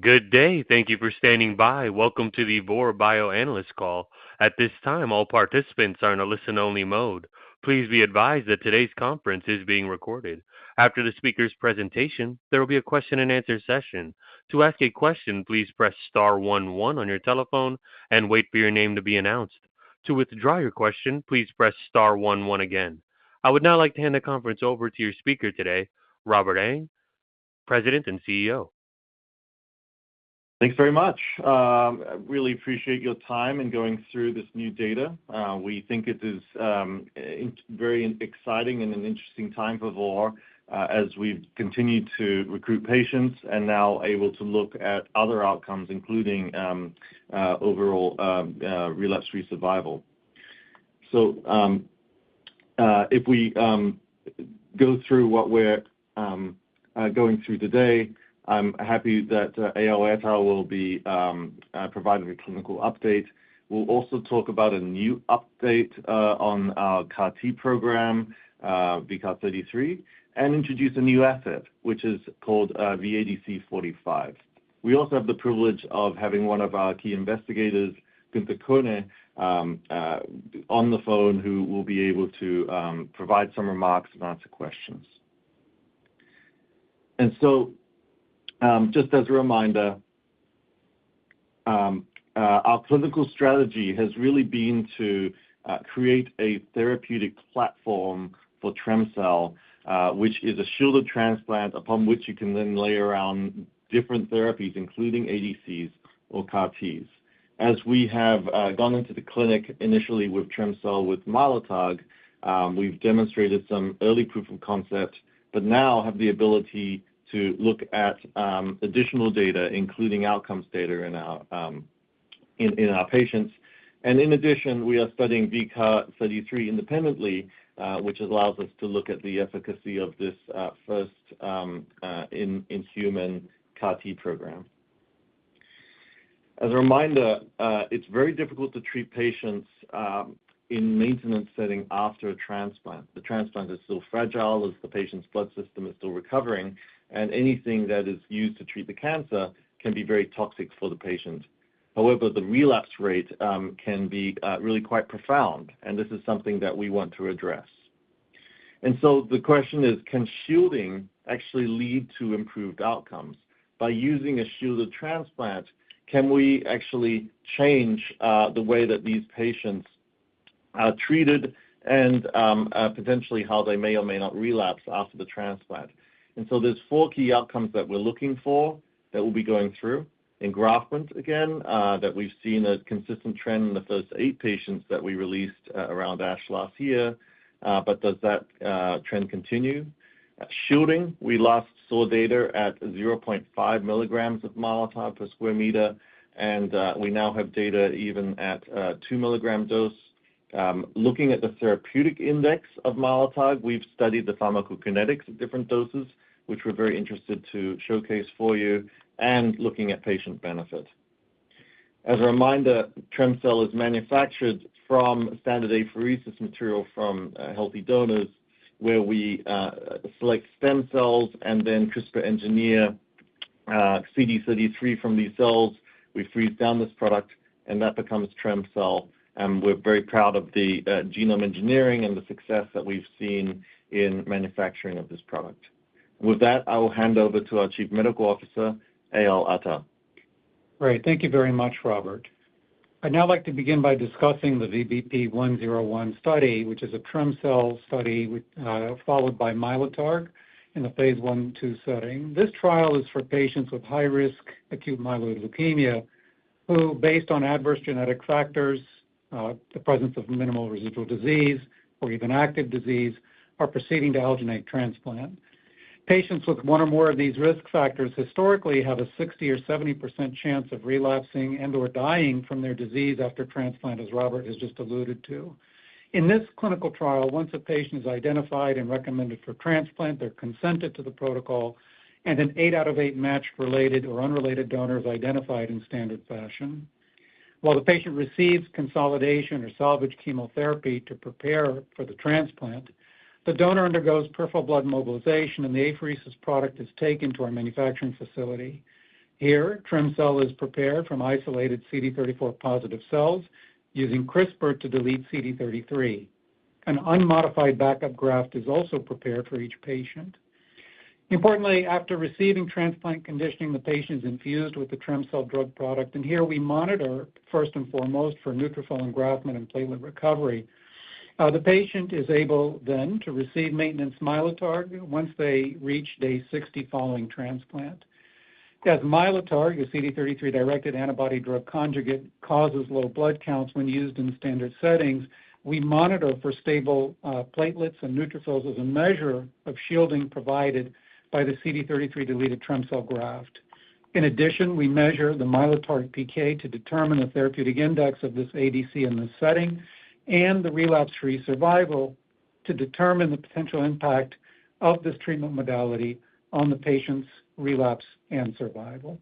Good day. Thank you for standing by welcome to the Vor Bio analyst call. At this time, all participants are in a listen-only mode. Please be advised that today's conference is being recorded. After the speaker's presentation, there will be a question-and-answer session. To ask a question, please press star one one on your telephone and wait for your name to be announced. To withdraw your question, please press star one one again. I would now like to hand the conference over to your speaker today, Robert Ang, President and CEO. Thanks very much. I really appreciate your time in going through this new data. We think it is very exciting and an interesting time for Vor as we've continued to recruit patients and now able to look at other outcomes, including overall relapse-free survival. If we go through what we're going through today, I'm happy that Eyal Attar will be providing a clinical update. We'll also talk about a new update on our CAR-T program, VCAR33, and introduce a new asset, which is called VADC45. We also have the privilege of having one of our key investigators, Guenther Koehne, on the phone, who will be able to provide some remarks and answer questions. And so, just as a reminder, our clinical strategy has really been to create a therapeutic platform for Trem-cel, which is a shielded transplant upon which you can then layer around different therapies, including ADCs or CAR-Ts. As we have gone into the clinic, initially with Trem-cel, with Mylotarg, we've demonstrated some early proof of concept, but now have the ability to look at additional data, including outcomes data in our patients. And in addition, we are studying VCAR33 independently, which allows us to look at the efficacy of this first in human CAR-T program. As a reminder, it's very difficult to treat patients in maintenance setting after a transplant, The transplant is still fragile as the patient's blood system is still recovering, and anything that is used to treat the cancer can be very toxic for the patient. However, the relapse rate can be really quite profound, and this is something that we want to address. So the question is Can shielding? actually lead to improved outcomes? By using a shielded transplant, can we actually change the way that these patients are treated and potentially how they may or may not relapse after the transplant? So there's four key outcomes that we're looking for that we'll be going through. Engraftment, again, that we've seen a consistent trend in the first eight patients that we released around ASH last year, but does that trend continue? Shielding, we last saw data at 0.5 mg of Mylotarg per square meter, and we now have data even at 2 mg dose. Looking at the therapeutic index of Mylotarg, we've studied the pharmacokinetics of different doses, which we're very interested to showcase for you and looking at patient benefit. As a reminder, Trem-cel is manufactured from standard apheresis material from healthy donors, where we select stem cells and then CRISPR engineer CD33 from these cells. We freeze down this product and that becomes Trem-cel, and we're very proud of the genome engineering and the success that we've seen in manufacturing of this product. With that, I will hand over to our Chief Medical Officer, Eyal Attar. Great. Thank you very much, Robert. I'd now like to begin by discussing the VBP-101 study, which is a Trem-cel study with, followed by Mylotarg in a phase 1, 2 setting. This trial is for patients with high-risk acute myeloid leukemia, who, based on adverse genetic factors, the presence of minimal residual disease or even active disease, are proceeding to allogeneic transplant. Patients with one or more of these risk factors historically have a 60% or 70% chance of relapsing and/or dying from their disease after transplant, as Robert has just alluded to. In this clinical trial, once a patient is identified and recommended for transplant, they're consented to the protocol, and an eight out of eight matched, related or unrelated donor is identified in standard fashion. While the patient receives consolidation or salvage chemotherapy to prepare for the transplant, the donor undergoes peripheral blood mobilization, and the apheresis product is taken to our manufacturing facility. Here, Trem-cel is prepared from isolated CD34-positive cells using CRISPR to delete CD33. An unmodified backup graft is also prepared for each patient. Importantly, after receiving transplant conditioning, the patient is infused with the Trem-cel drug product, and here we monitor first and foremost for neutrophil engraftment and platelet recovery. The patient is able then to receive maintenance Mylotarg once they reach day 60 following transplant. As Mylotarg, a CD33-directed antibody-drug conjugate, causes low blood counts when used in standard settings, we monitor for stable platelets and neutrophils as a measure of shielding provided by the CD33-deleted Trem-cel graft. In addition, we measure the Mylotarg PK to determine the therapeutic index of this ADC in this setting and the relapse-free survival to determine the potential impact of this treatment modality on the patient's relapse and survival.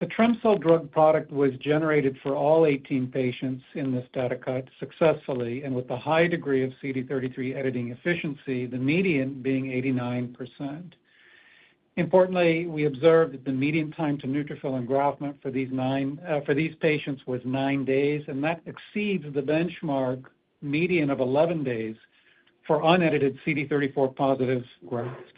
The Trem-cel drug product was generated for all 18 patients in this data cut successfully, and with a high degree of CD33 editing efficiency, the median being 89%. Importantly, we observed that the median time to neutrophil engraftment for these nine, for these patients was nine days, and that exceeds the benchmark median of 11 days for unedited CD34 positive grafts.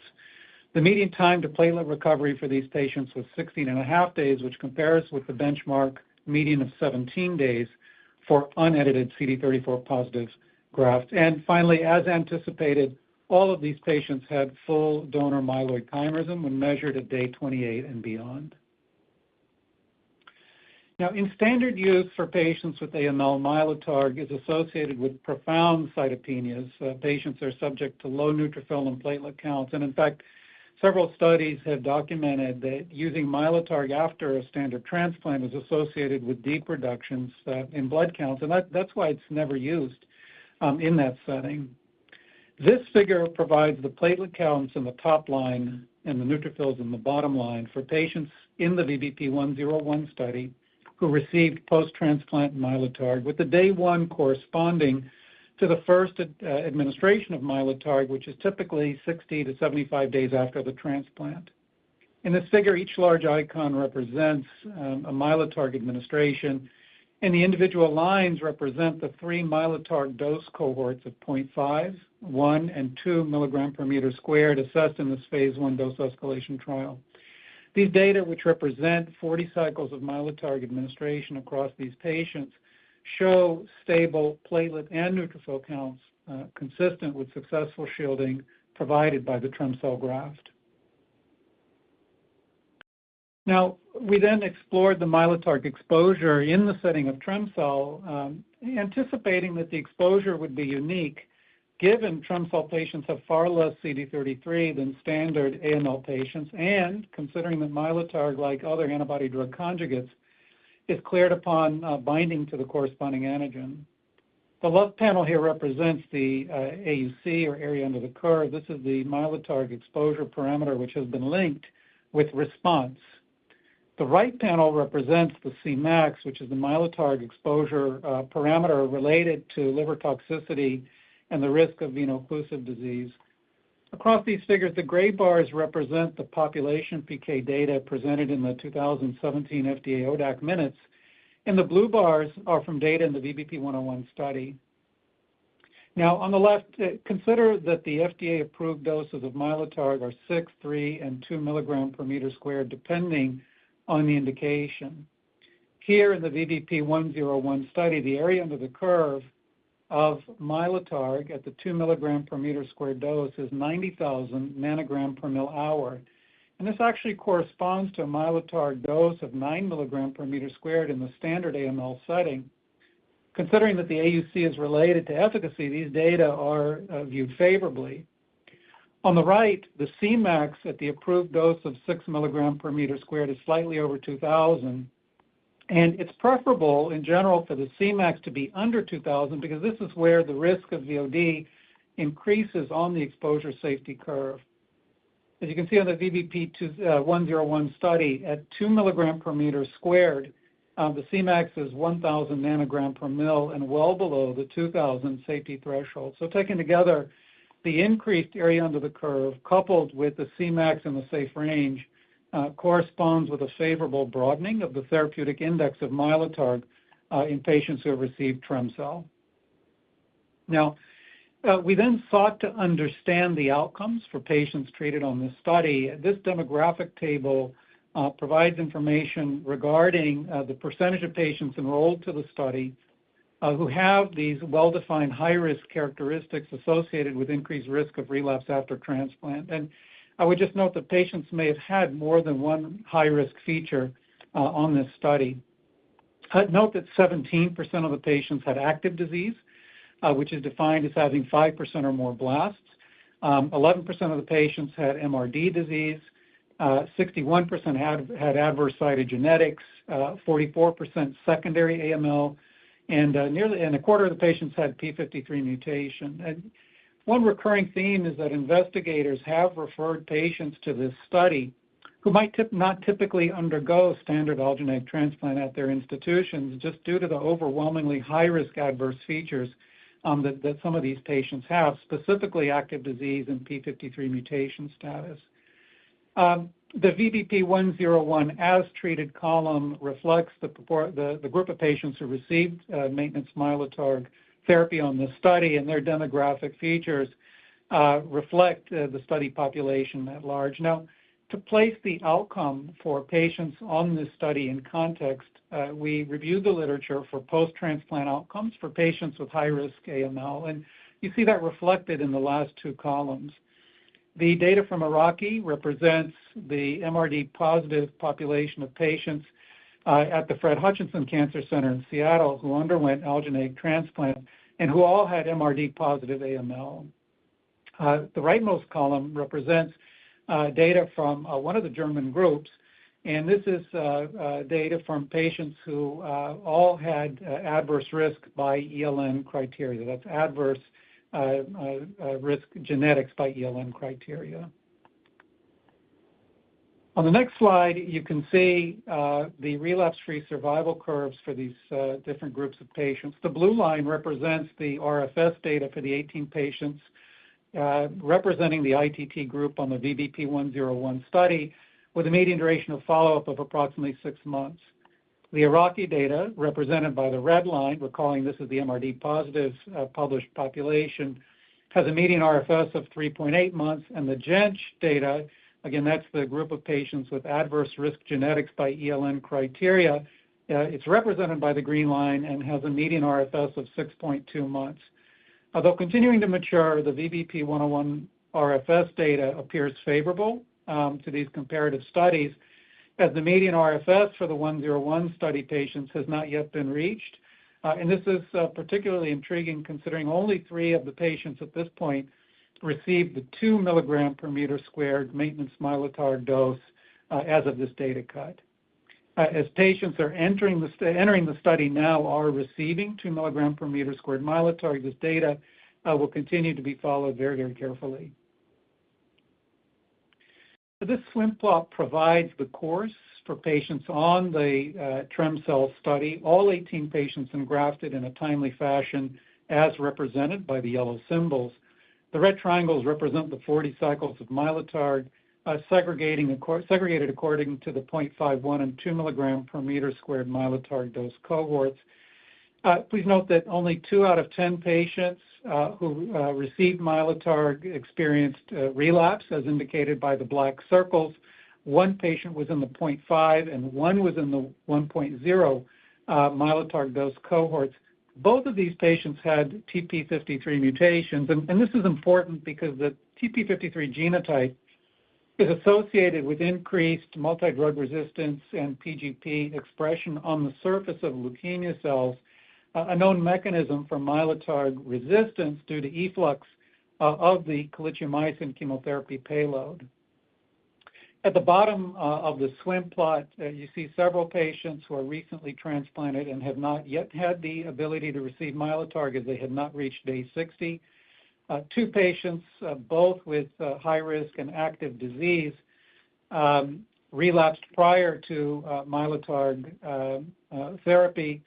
The median time to platelet recovery for these patients was 16 and a half days, which compares with the benchmark median of 17 days for unedited CD34 positive grafts finally, as anticipated, all of these patients had full donor myeloid chimerism when measured at day 28 and beyond. Now, in standard use for patients with AML, Mylotarg is associated with profound cytopenias. Patients are subject to low neutrophil and platelet counts, and in fact, several studies have documented that using Mylotarg after a standard transplant is associated with deep reductions in blood counts, and that's why it's never used in that setting. This figure provides the platelet counts in the top line and the neutrophils in the bottom line for patients in the VBP101 study who received post-transplant Mylotarg, with the day one corresponding to the first administration of Mylotarg, which is typically sixty to seventy-five days after the transplant. In this figure, each large icon represents a Mylotarg administration, and the individual lines represent the three Mylotarg dose cohorts of point five, one, and two mg per meter squared, assessed in this phase one dose escalation trial. These data, which represent forty cycles of Mylotarg administration across these patients, show stable platelet and neutrophil counts, consistent with successful shielding provided by the Trem-cel graft. Now, we then explored the Mylotarg exposure in the setting of Trem-cel, anticipating that the exposure would be unique, given Trem-cel patients have far less CD33 than standard AML patients and considering that Mylotarg, like other antibody-drug conjugates, is cleared upon binding to the corresponding antigen. The left panel here represents the AUC or area under the curve this is the Mylotarg exposure parameter, which has been linked with response. The right panel represents the Cmax, which is the Mylotarg exposure parameter related to liver toxicity and the risk of veno-occlusive disease. Across these figures, the gray bars represent the population PK data presented in the 2017 FDA ODAC minutes, and the blue bars are from data in the VBP 101 study. Now, on the left, consider that the FDA-approved doses of Mylotarg are 6, 3, and 2 mg/m², depending on the indication. Here in the VBP 101 study, the area under the curve of Mylotarg at the 2 mg/m² dose is 90,000 nanograms per mL hour, and this actually corresponds to a Mylotarg dose of 9 mg/m² in the standard AML setting. Considering that the AUC is related to efficacy, these data are viewed favorably. On the right, the Cmax at the approved dose of six mg per meter squared is slightly over 2,000, and it's preferable in general for the Cmax to be under 2,000 because this is where the risk of VOD increases on the exposure safety curve. As you can see on the VBP-201 study, at two mg per meter squared, the Cmax is 1,000 nanogram per ml and well below the 2,000 safety threshold so taken together, the increased area under the curve, coupled with the Cmax in the safe range, corresponds with a favorable broadening of the therapeutic index of Mylotarg in patients who have received Trem-cel. Now, we then sought to understand the outcomes for patients treated on this study. This demographic table provides information regarding the percentage of patients enrolled to the study who have these well-defined high-risk characteristics associated with increased risk of relapse after transplant i would just note that patients may have had more than one high-risk feature on this study. Note that 17% of the patients had active disease, which is defined as having 5% or more blasts. 11% of the patients had MRD disease, 61% had adverse cytogenetics, 44% secondary AML, and a quarter of the patients had P53 mutation. One recurring theme is that investigators have referred patients to this study who might not typically undergo standard allogeneic transplant at their institutions, just due to the overwhelmingly high-risk adverse features that some of these patients have, specifically active disease and P53 mutation status. The VBP101 as treated column reflects the group of patients who received maintenance Mylotarg therapy on this study, and their demographic features reflect the study population at large. Now, to place the outcome for patients on this study in context, we reviewed the literature for post-transplant outcomes for patients with high-risk AML, and you see that reflected in the last two columns. The data from Araki represents the MRD positive population of patients at the Fred Hutchinson Cancer Center in Seattle, who underwent allogeneic transplant and who all had MRD positive AML. The rightmost column represents data from one of the German groups, and this is data from patients who all had adverse risk by ELN criteria that's adverse risk genetics by ELN criteria. On the next slide, you can see the relapse-free survival curves for these different groups of patients the blue line represents the RFS data for the 18 patient. Representing the ITT group on the VBP one zero one study, with a median duration of follow-up of approximately six months. The Iraqi data, represented by the red line, we're calling this is the MRD positives, published population, has a median RFS of 3.8 months, and the Genge data, again, that's the group of patients with adverse risk genetics by ELN criteria. It's represented by the green line and has a median RFS of 6.2 months. Although continuing to mature, the VBP101 RFS data appears favorable to these comparative studies, as the median RFS for the 101 study patients has not yet been reached. This is particularly intriguing considering only three of the patients at this point received the 2 mg per meter squared maintenance Mylotarg dose, as of this data cut. As patients are entering the study now are receiving 2 mg/m² Mylotarg, this data will continue to be followed very, very carefully. This swim plot provides the course for patients on the Trem-cel study, all 18 patients engrafted in a timely fashion, as represented by the yellow symbols. The red triangles represent the 40 cycles of Mylotarg, segregated according to the 0.5, 1, and 2 mg/m² Mylotarg dose cohorts. Please note that only two out of 10 patients who received Mylotarg experienced relapse, as indicated by the black circles. One patient was in the 0.5, and one was in the 1.0 Mylotarg dose cohorts. Both of these patients had TP53 mutations, and this is important because the TP53 genotype is associated with increased multidrug resistance and P-gp expression on the surface of leukemia cells, a known mechanism for Mylotarg resistance due to efflux of the calicheamicin chemotherapy payload. At the bottom of the swim plot, you see several patients who are recently transplanted and have not yet had the ability to receive Mylotarg, as they had not reached day 60. Two patients, both with high risk and active disease, relapsed prior to Mylotarg therapy,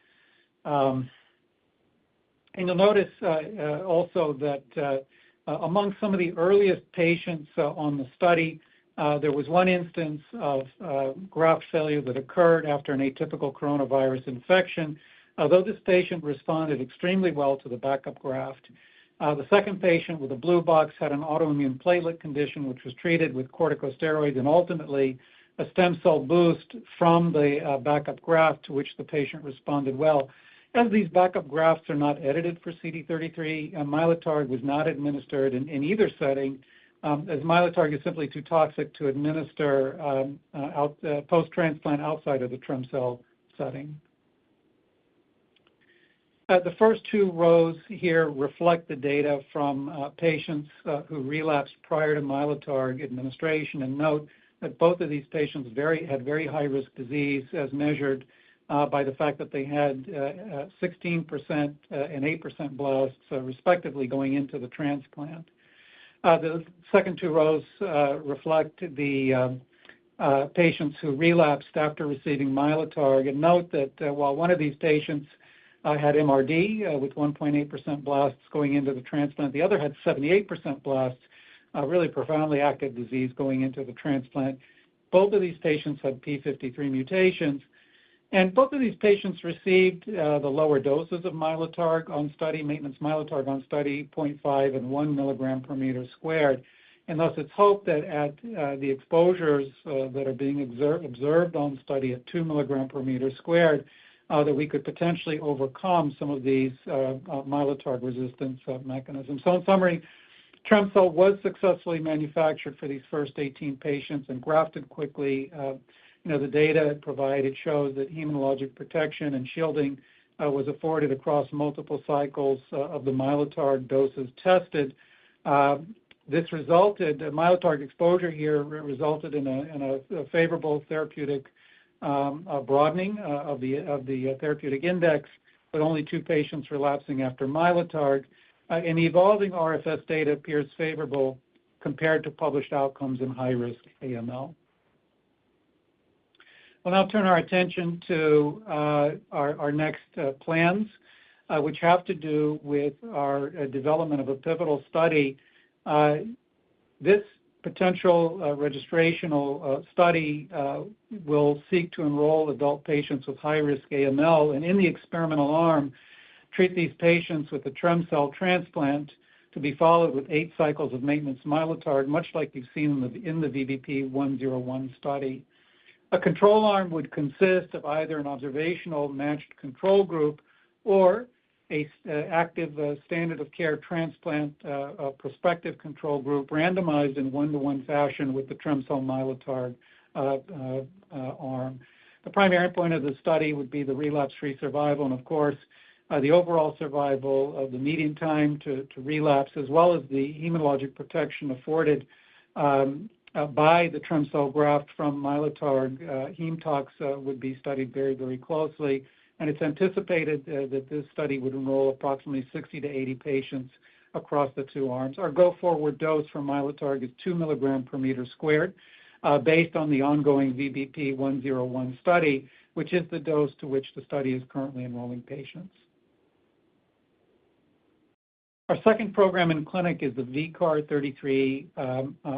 and you'll notice also that, among some of the earliest patients on the study, there was one instance of graft failure that occurred after an atypical coronavirus infection. Although this patient responded extremely well to the backup graft, the second patient with a blue box had an autoimmune platelet condition, which was treated with corticosteroids and ultimately a stem cell boost from the backup graft, to which the patient responded well. As these backup grafts are not edited for CD33, Mylotarg was not administered in either setting, as Mylotarg is simply too toxic to administer post-transplant outside of the Trem-cel setting. The first two rows here reflect the data from patients who relapsed prior to Mylotarg administration, and note that both of these patients had very high risk disease, as measured by the fact that they had 16% and 8% blasts, respectively, going into the transplant. The second two rows reflect the patients who relapsed after receiving Mylotarg. Note that while one of these patients had MRD with 1.8% blasts going into the transplant, the other had 78% blasts, really profoundly active disease going into the transplant. Both of these patients had P53 mutations, and both of these patients received the lower doses of Mylotarg on study, maintenance Mylotarg on study, 0.5 and 1 mg/m². Thus, it's hoped that at the exposures that are being observed on the study at 2 mg/m² that we could potentially overcome some of these Mylotarg resistance mechanisms in summary, Trem-cel was successfully manufactured for these first 18 patients and grafted quickly. You know, the data it provided shows that immunologic protection and shielding was afforded across multiple cycles of the Mylotarg doses tested. The Mylotarg exposure here resulted in a favorable therapeutic broadening of the therapeutic index, but only two patients relapsing after Mylotarg, and the evolving RFS data appears favorable compared to published outcomes in high-risk AML. We'll now turn our attention to our next plans, which have to do with our development of a pivotal study. This potential registrational study will seek to enroll adult patients with high-risk AML, and in the experimental arm, treat these patients with a Trem-cel transplant to be followed with eight cycles of maintenance Mylotarg, much like you've seen in the VBP-101 study. A control arm would consist of either an observational matched control group or an active standard of care transplant, a prospective control group, randomized in one-to-one fashion with the Trem-cel Mylotarg arm. The primary point of the study would be the relapse-free survival, and of course, the overall survival of the median time to relapse, as well as the immunologic protection afforded by the Trem-cel graft from Mylotarg. Hematox would be studied very, very closely, and it's anticipated that this study would enroll approximately 60-80 patients across the two arms our go-forward dose for Mylotarg is two mg/m² based on the ongoing VBP one zero one study, which is the dose to which the study is currently enrolling patients. Our second program in clinic is the VCAR33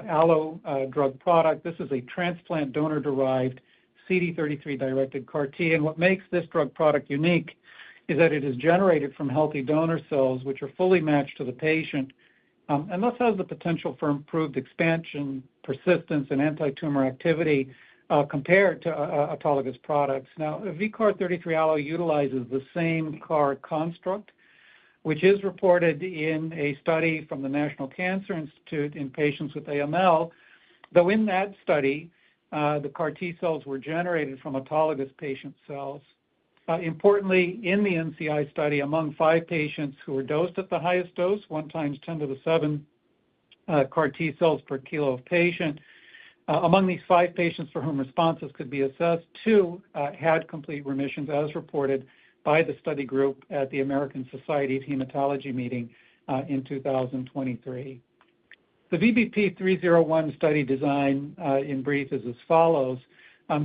allo drug product this is a transplant donor-derived CD33-directed CAR-T, and what makes this drug product unique is that it is generated from healthy donor cells, which are fully matched to the patient, and this has the potential for improved expansion, persistence, and anti-tumor activity, compared to autologous products now, VCAR33 allo utilizes the same CAR construct, which is reported in a study from the National Cancer Institute in patients with AML, though in that study, the CAR-Tcells were generated from autologous patient cells. Importantly, in the NCI study, among five patients who were dosed at the highest dose, one times ten to the seven CAR-Tcells per kilo of patient. Among these five patients for whom responses could be assessed, two had complete remissions, as reported by the study group at the American Society of Hematology meeting in 2023. The VBP301 study design, in brief, is as follows.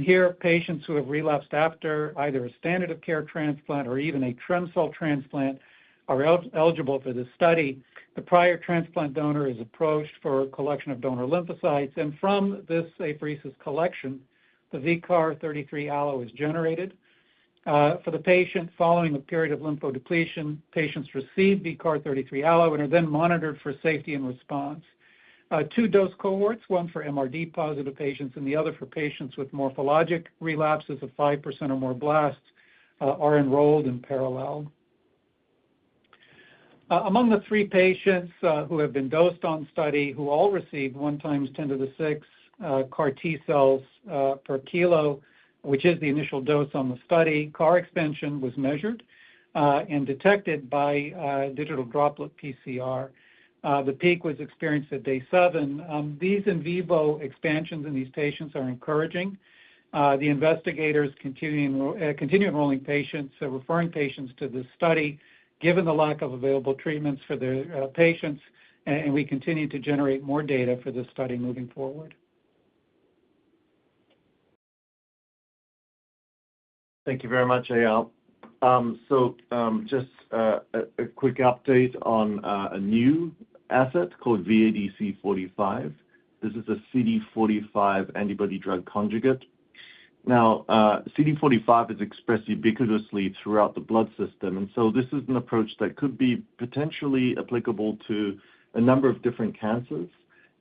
Here, patients who have relapsed after either a standard of care transplant or even a Trem-cel transplant are eligible for this study. The prior transplant donor is approached for collection of donor lymphocytes, and from this apheresis collection, the VCAR33 allo is generated. For the patient, following a period of lymphodepletion, patients receive VCAR33 allo and are then monitored for safety and response. Two dose cohorts, one for MRD-positive patients and the other for patients with morphologic relapses of 5% or more blasts, are enrolled in parallel. Among the three patients who have been dosed on study, who all received one times ten to the six CAR-Tcells per kilo, which is the initial dose on the study, CAR expansion was measured and detected by digital droplet PCR. The peak was experienced at day seven. These in vivo expansions in these patients are encouraging. The investigators continue enrolling patients, referring patients to this study, given the lack of available treatments for their patients, and we continue to generate more data for this study moving forward. Thank you very much, Eyal. So, just a quick update on a new asset called VADC45. This is a CD45 antibody drug conjugate. Now, CD45 is expressed ubiquitously throughout the blood system, and so this is an approach that could be potentially applicable to a number of different cancers.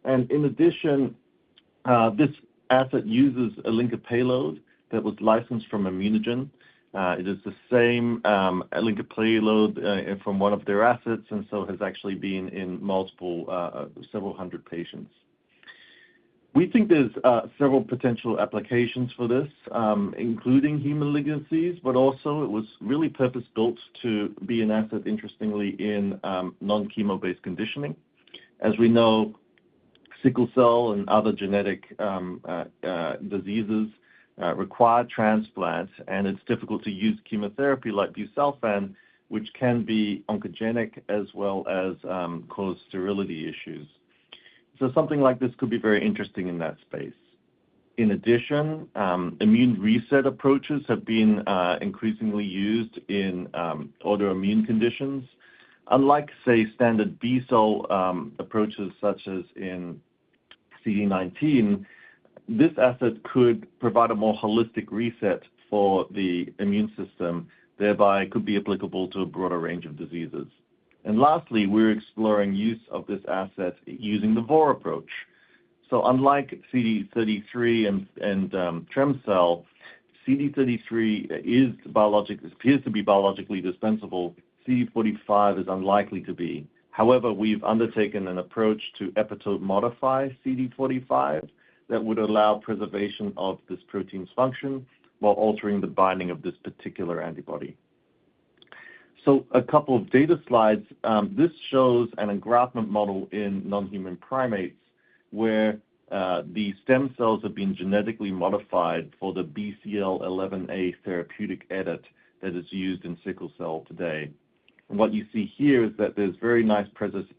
And in addition, this asset uses a linker payload that was licensed from ImmunoGen. It is the same linker payload from one of their assets, and so has actually been in several hundred patients. We think there's several potential applications for this, including heme malignancies, but also it was really purpose-built to be an asset, interestingly, in non-chemo-based conditioning. As we know, sickle cell and other genetic diseases require transplants, and it's difficult to use chemotherapy like busulfan, which can be oncogenic as well as cause sterility issues. So something like this could be very interesting in that space. In addition, immune reset approaches have been increasingly used in autoimmune conditions. Unlike, say, standard B-cell approaches, such as in CD19, this asset could provide a more holistic reset for the immune system, thereby could be applicable to a broader range of diseases. And lastly, we're exploring use of this asset using the Vor approach. So unlike CD33 and Trem-cel, CD33 appears to be biologically dispensable. CD45 is unlikely to be. However, we've undertaken an approach to epitope-modify CD45 that would allow preservation of this protein's function while altering the binding of this particular antibody. So a couple of data slides. This shows an engraftment model in non-human primates, where the stem cells have been genetically modified for the BCL11A therapeutic edit that is used in sickle cell today. What you see here is that there's very nice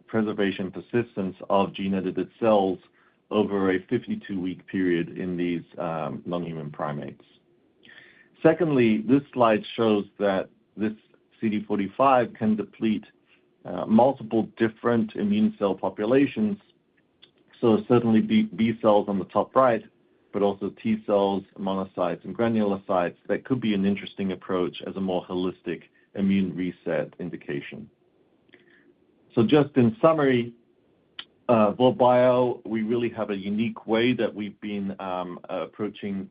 preservation persistence of gene-edited cells over a 52 week period in these non-human primates. Secondly, this slide shows that this CD45 can deplete multiple different immune cell populations. Certainly B cells on the top right, but also T cells, monocytes, and granulocytes that could be an interesting approach as a more holistic immune reset indication. Just in summary, Vor Bio, we really have a unique way that we've been approaching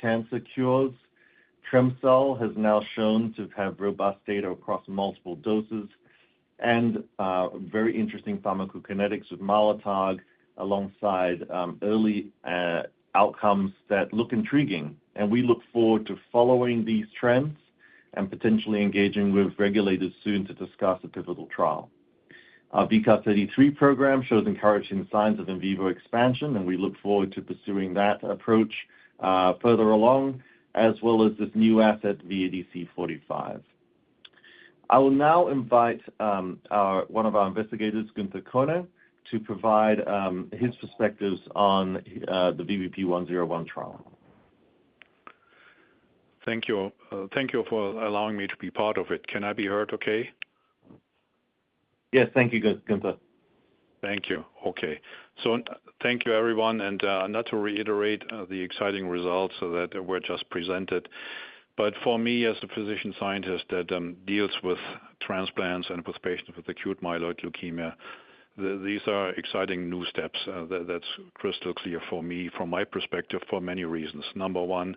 cancer cures. Trem-cel has now shown to have robust data across multiple doses and very interesting pharmacokinetics with Mylotarg, alongside early outcomes that look intriguing. We look forward to following these trends and potentially engaging with regulators soon to discuss a pivotal trial. Our VCAR33 program shows encouraging signs of in vivo expansion, and we look forward to pursuing that approach further along, as well as this new asset, VADC45. I will now invite one of our investigators, Guenther Koehne, to provide his perspectives on the VBP101 trial.... Thank you. Thank you for allowing me to be part of it can I be heard okay? Yes. Thank you, Guenther. Thank you. Okay. So thank you, everyone, and not to reiterate the exciting results that were just presented, but for me, as a physician scientist that deals with transplants and with patients with acute myeloid leukemia, these are exciting new steps that's crystal clear for me from my perspective, for many reasons, number one,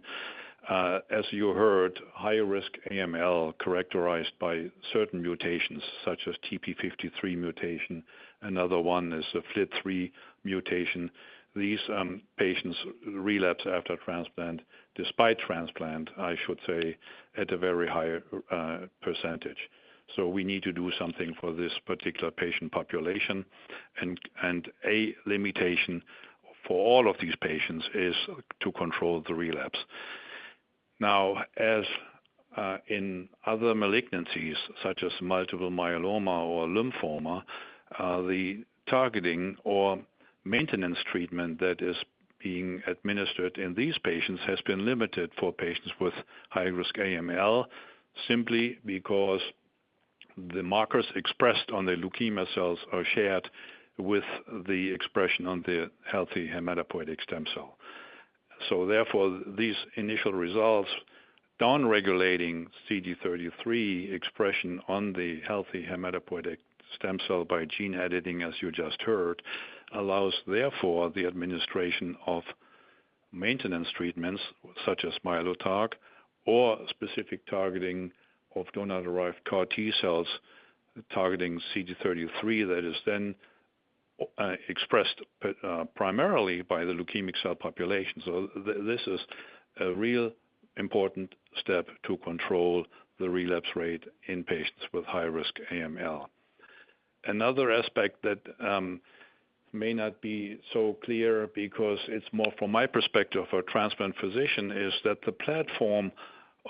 as you heard, high risk AML, characterized by certain mutations such as TP53 mutation. Another one is a FLT3 mutation. These patients relapse after transplant, despite transplant, I should say, at a very high percentage. So we need to do something for this particular patient population. A limitation for all of these patients is to control the relapse. Now, as in other malignancies such as multiple myeloma or lymphoma, the targeting or maintenance treatment that is being administered in these patients has been limited for patients with high-risk AML, simply because the markers expressed on the leukemia cells are shared with the expression on the healthy hematopoietic stem cell. So therefore, these initial results, downregulating CD33 expression on the healthy hematopoietic stem cell by gene editing, as you just heard, allows therefore, the administration of maintenance treatments such as Mylotarg or specific targeting of donor-derived CAR-Tcells, targeting CD33, that is then expressed primarily by the leukemic cell population so this is a real important step to control the relapse rate in patients with high risk AML. Another aspect that may not be so clear because it's more from my perspective or transplant physician, is that the platform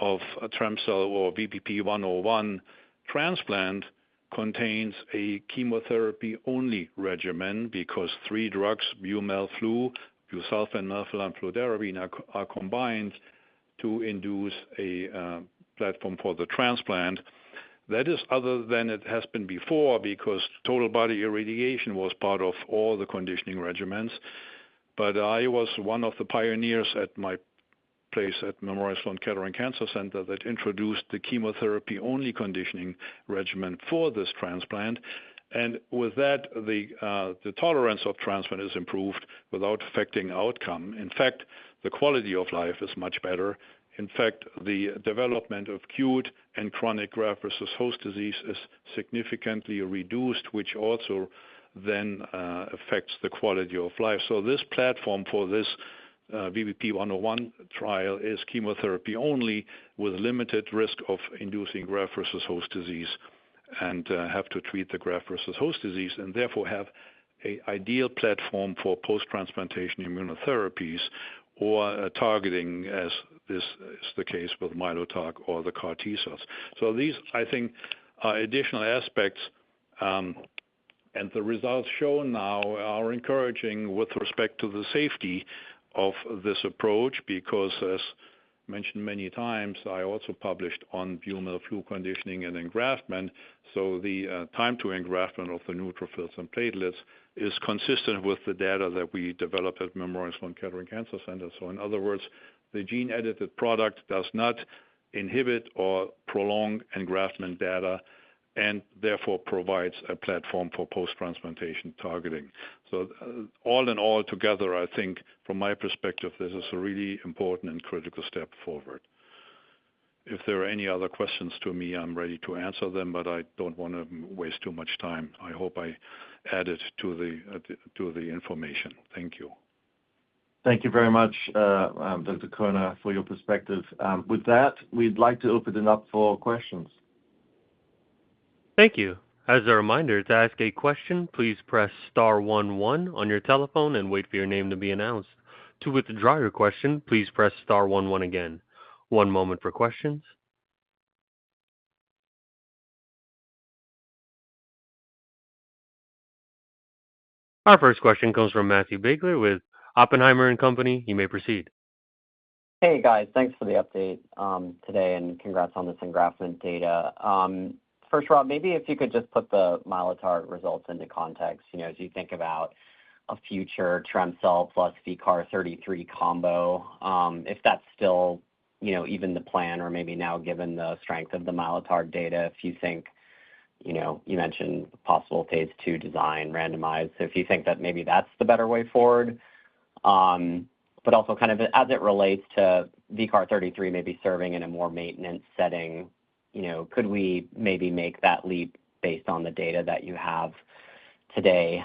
of a Trem-cel or BP-101 transplant contains a chemotherapy-only regimen because three drugs, BuMelFlu, busulfan, melphalan, fludarabine, are combined to induce a platform for the transplant. That is other than it has been before, because total body irradiation was part of all the conditioning regimens. But I was one of the pioneers at my place at Memorial Sloan Kettering Cancer Center that introduced the chemotherapy-only conditioning regimen for this transplant, and with that, the tolerance of transplant is improved without affecting outcome in fact, the quality of life is much better. In fact, the development of acute and chronic graft versus host disease is significantly reduced, which also then affects the quality of life this platform for this BBP 101 trial is chemotherapy only, with limited risk of inducing graft-versus-host disease, and have to treat the graft-versus-host disease, and therefore have an ideal platform for post-transplantation immunotherapies or a targeting as this is the case with Mylotarg or the CAR-Tcells. These, I think, are additional aspects, and the results shown now are encouraging with respect to the safety of this approach, because as mentioned many times, I also published on BuMelFlu conditioning and engraftment, so the time to engraftment of the neutrophils and platelets is consistent with the data that we developed at Memorial Sloan Kettering Cancer Center in other words, the gene-edited product does not inhibit or prolong engraftment data and therefore provides a platform for post-transplantation targeting. All in all, together, I think from my perspective, this is a really important and critical step forward. If there are any other questions to me, I'm ready to answer them, but I don't want to waste too much time. I hope I added to the information. Thank you. Thank you very much, Dr. Koehne, for your perspective. With that, we'd like to open it up for questions. Thank you. As a reminder, to ask a question, please press star one one on your telephone and wait for your name to be announced. To withdraw your question, please press star one one again. One moment for questions. Our first question comes from Matt Biegler with Oppenheimer & Co. You may proceed. Hey, guys. Thanks for the update today, and congrats on this engraftment data. First, Rob, maybe if you could just put the Mylotarg results into context, you know, as you think about a future Trem-cel plus VCAR33 combo, if that's still, you know, even the plan or maybe now, given the strength of the Mylotarg data, if you think, you know, you mentioned possible phase 2 design randomized. So if you think that maybe that's the better way forward. But also kind of as it relates to VCAR33, maybe serving in a more maintenance setting, you know, could we maybe make that leap based on the data that you have today?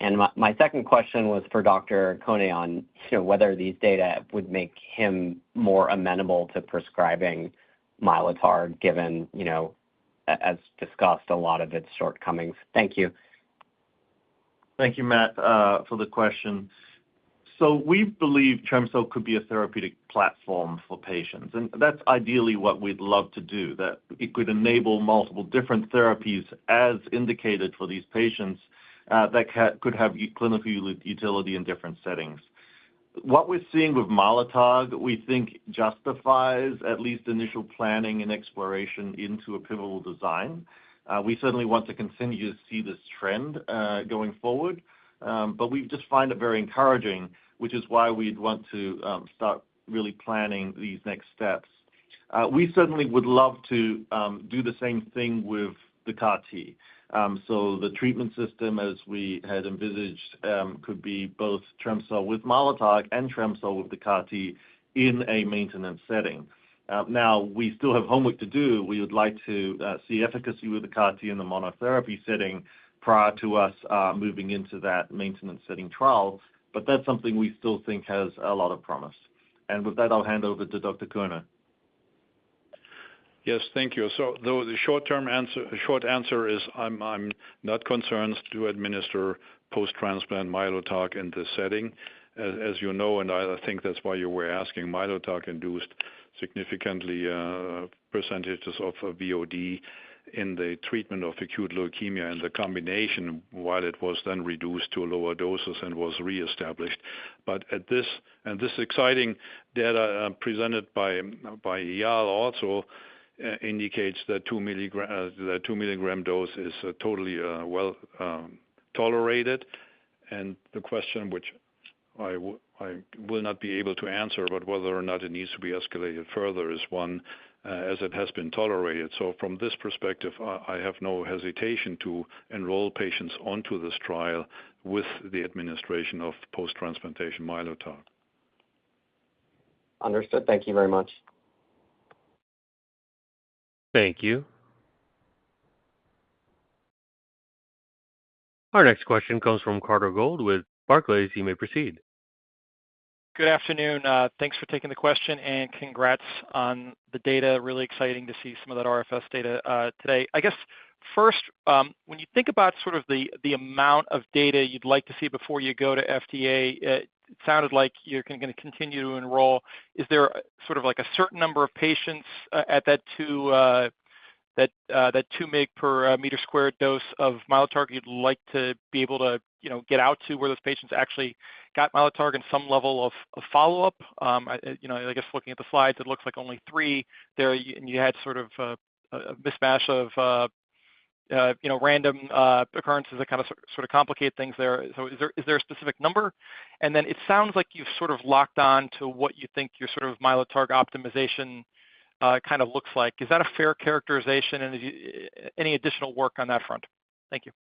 And my second question was for Dr. Koehne on, you know, whether these data would make him more amenable to prescribing Mylotarg, given, you know, as discussed, a lot of its shortcomings. Thank you. Thank you, Matt, for the question. We believe Trem-cel could be a therapeutic platform for patients, and that's ideally what we'd love to do, that it could enable multiple different therapies as indicated for these patients, that could have clinical utility in different settings. What we're seeing with Mylotarg, we think justifies at least initial planning and exploration into a pivotal design. We certainly want to continue to see this trend going forward, but we just find it very encouraging, which is why we'd want to start really planning these next steps. We certainly would love to do the same thing with VADC45. So the treatment system, as we had envisaged, could be both Trem-cel with Mylotarg and Trem-cel with VADC45 in a maintenance setting. Now, we still have homework to do. We would like to see efficacy with Trem-cel in the monotherapy setting prior to us moving into that maintenance setting trial, but that's something we still think has a lot of promise. And with that, I'll hand over to Dr. Koehne. Yes, thank you. So though the short-term answer, the short answer is I'm not concerned to administer post-transplant Mylotarg in this setting. As you know, and I think that's why you were asking, Mylotarg induced significant percentages of VOD in the treatment of acute leukemia and the combination, while it was then reduced to lower doses and was reestablished. But this exciting data presented by Eyal also indicates that two mg dose is totally well tolerated. And the question which I will not be able to answer, but whether or not it needs to be escalated further is one, as it has been tolerated so from this perspective, I have no hesitation to enroll patients onto this trial with the administration of post-transplantation Mylotarg. Understood. Thank you very much. Thank you. Our next question comes from Carter Gould with Barclays. You may proceed. Good afternoon. Thanks for taking the question, and congrats on the data really exciting to see some of that RFS data today i guess, first, when you think about sort of the amount of data you'd like to see before you go to FDA, it sounded like you're gonna continue to enroll. Is there sort of like a certain number of patients at that two mg/m² dose of Mylotarg you'd like to be able to, you know, get out to, where those patients actually got Mylotarg and some level of follow-up? You know, I guess looking at the slides, it looks like only three there, and you had sort of a mismatch of you know, random occurrences that kind of sort of complicate things there so is there a specific number? And then it sounds like you've sort of locked on to what you think your sort of Mylotarg optimization kind of looks like. Is that a fair characterization, and if you-- any additional work on that front? Thank you.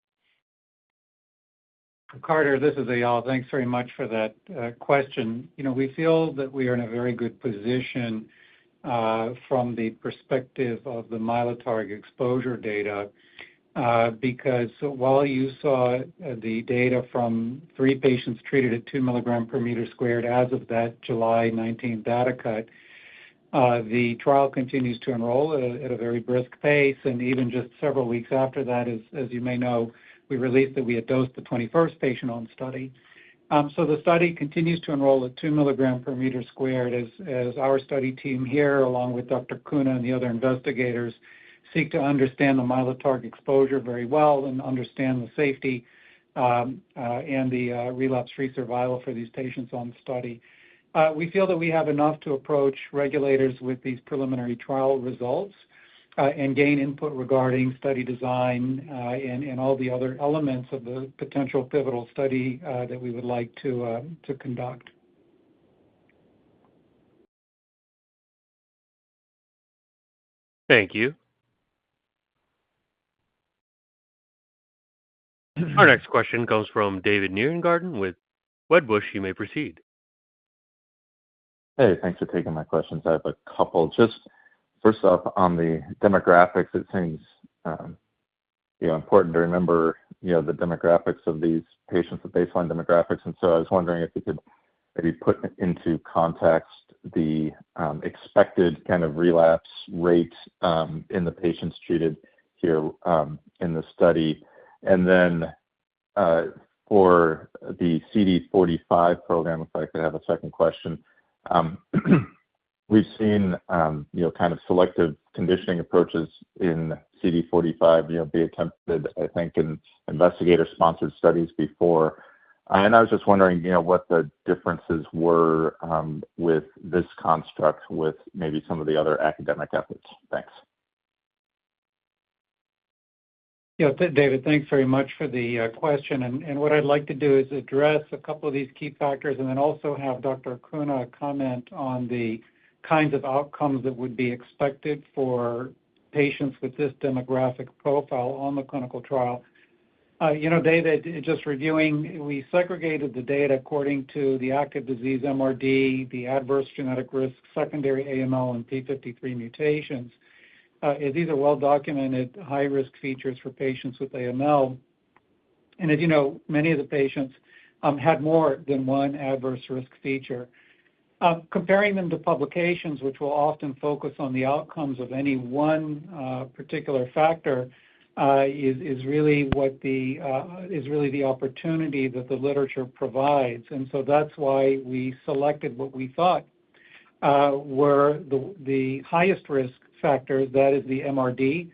Carter, this is Eyal. Thanks very much for that question. You know, we feel that we are in a very good position from the perspective of the Mylotarg exposure data. Because while you saw the data from three patients treated at two mg/m² as of that July 19th data cut, the trial continues to enroll at a very brisk pace, and even just several weeks after that, as you may know, we released that we had dosed the 21st patient on study. So the study continues to enroll at two mg/m², as our study team here, along with Dr. Koehne and the other investigators, seek to understand the Mylotarg exposure very well and understand the safety and the relapse-free survival for these patients on the study. We feel that we have enough to approach regulators with these preliminary trial results, and gain input regarding study design, and all the other elements of the potential pivotal study, that we would like to conduct. Thank you. Our next question comes from David Nierengarten with Wedbush. You may proceed. Hey, thanks for taking my questions i have a couple. Just first off, on the demographics, it seems, you know, important to remember, you know, the demographics of these patients, the baseline demographics and so I was wondering if you could maybe put into context the expected kind of relapse rate in the patients treated here in the study. And then, for the CD45 program, if I could have a second question. We've seen, you know, kind of selective conditioning approaches in CD45, you know, be attempted, I think, in investigator-sponsored studies before. And I was just wondering, you know, what the differences were with this construct with maybe some of the other academic efforts. Thanks. Yeah, David, thanks very much for the question. And what I'd like to do is address a couple of these key factors and then also have Dr. Koehne comment on the kinds of outcomes that would be expected for patients with this demographic profile on the clinical trial. You know, David, just reviewing, we segregated the data according to the active disease MRD, the adverse genetic risk, secondary AML, and P53 mutations. These are well-documented, high-risk features for patients with AML. And as you know, many of the patients had more than one adverse risk feature. Comparing them to publications, which will often focus on the outcomes of any one particular factor, is really the opportunity that the literature provides and so that's why we selected what we thought. Where the highest risk factor, that is the MRD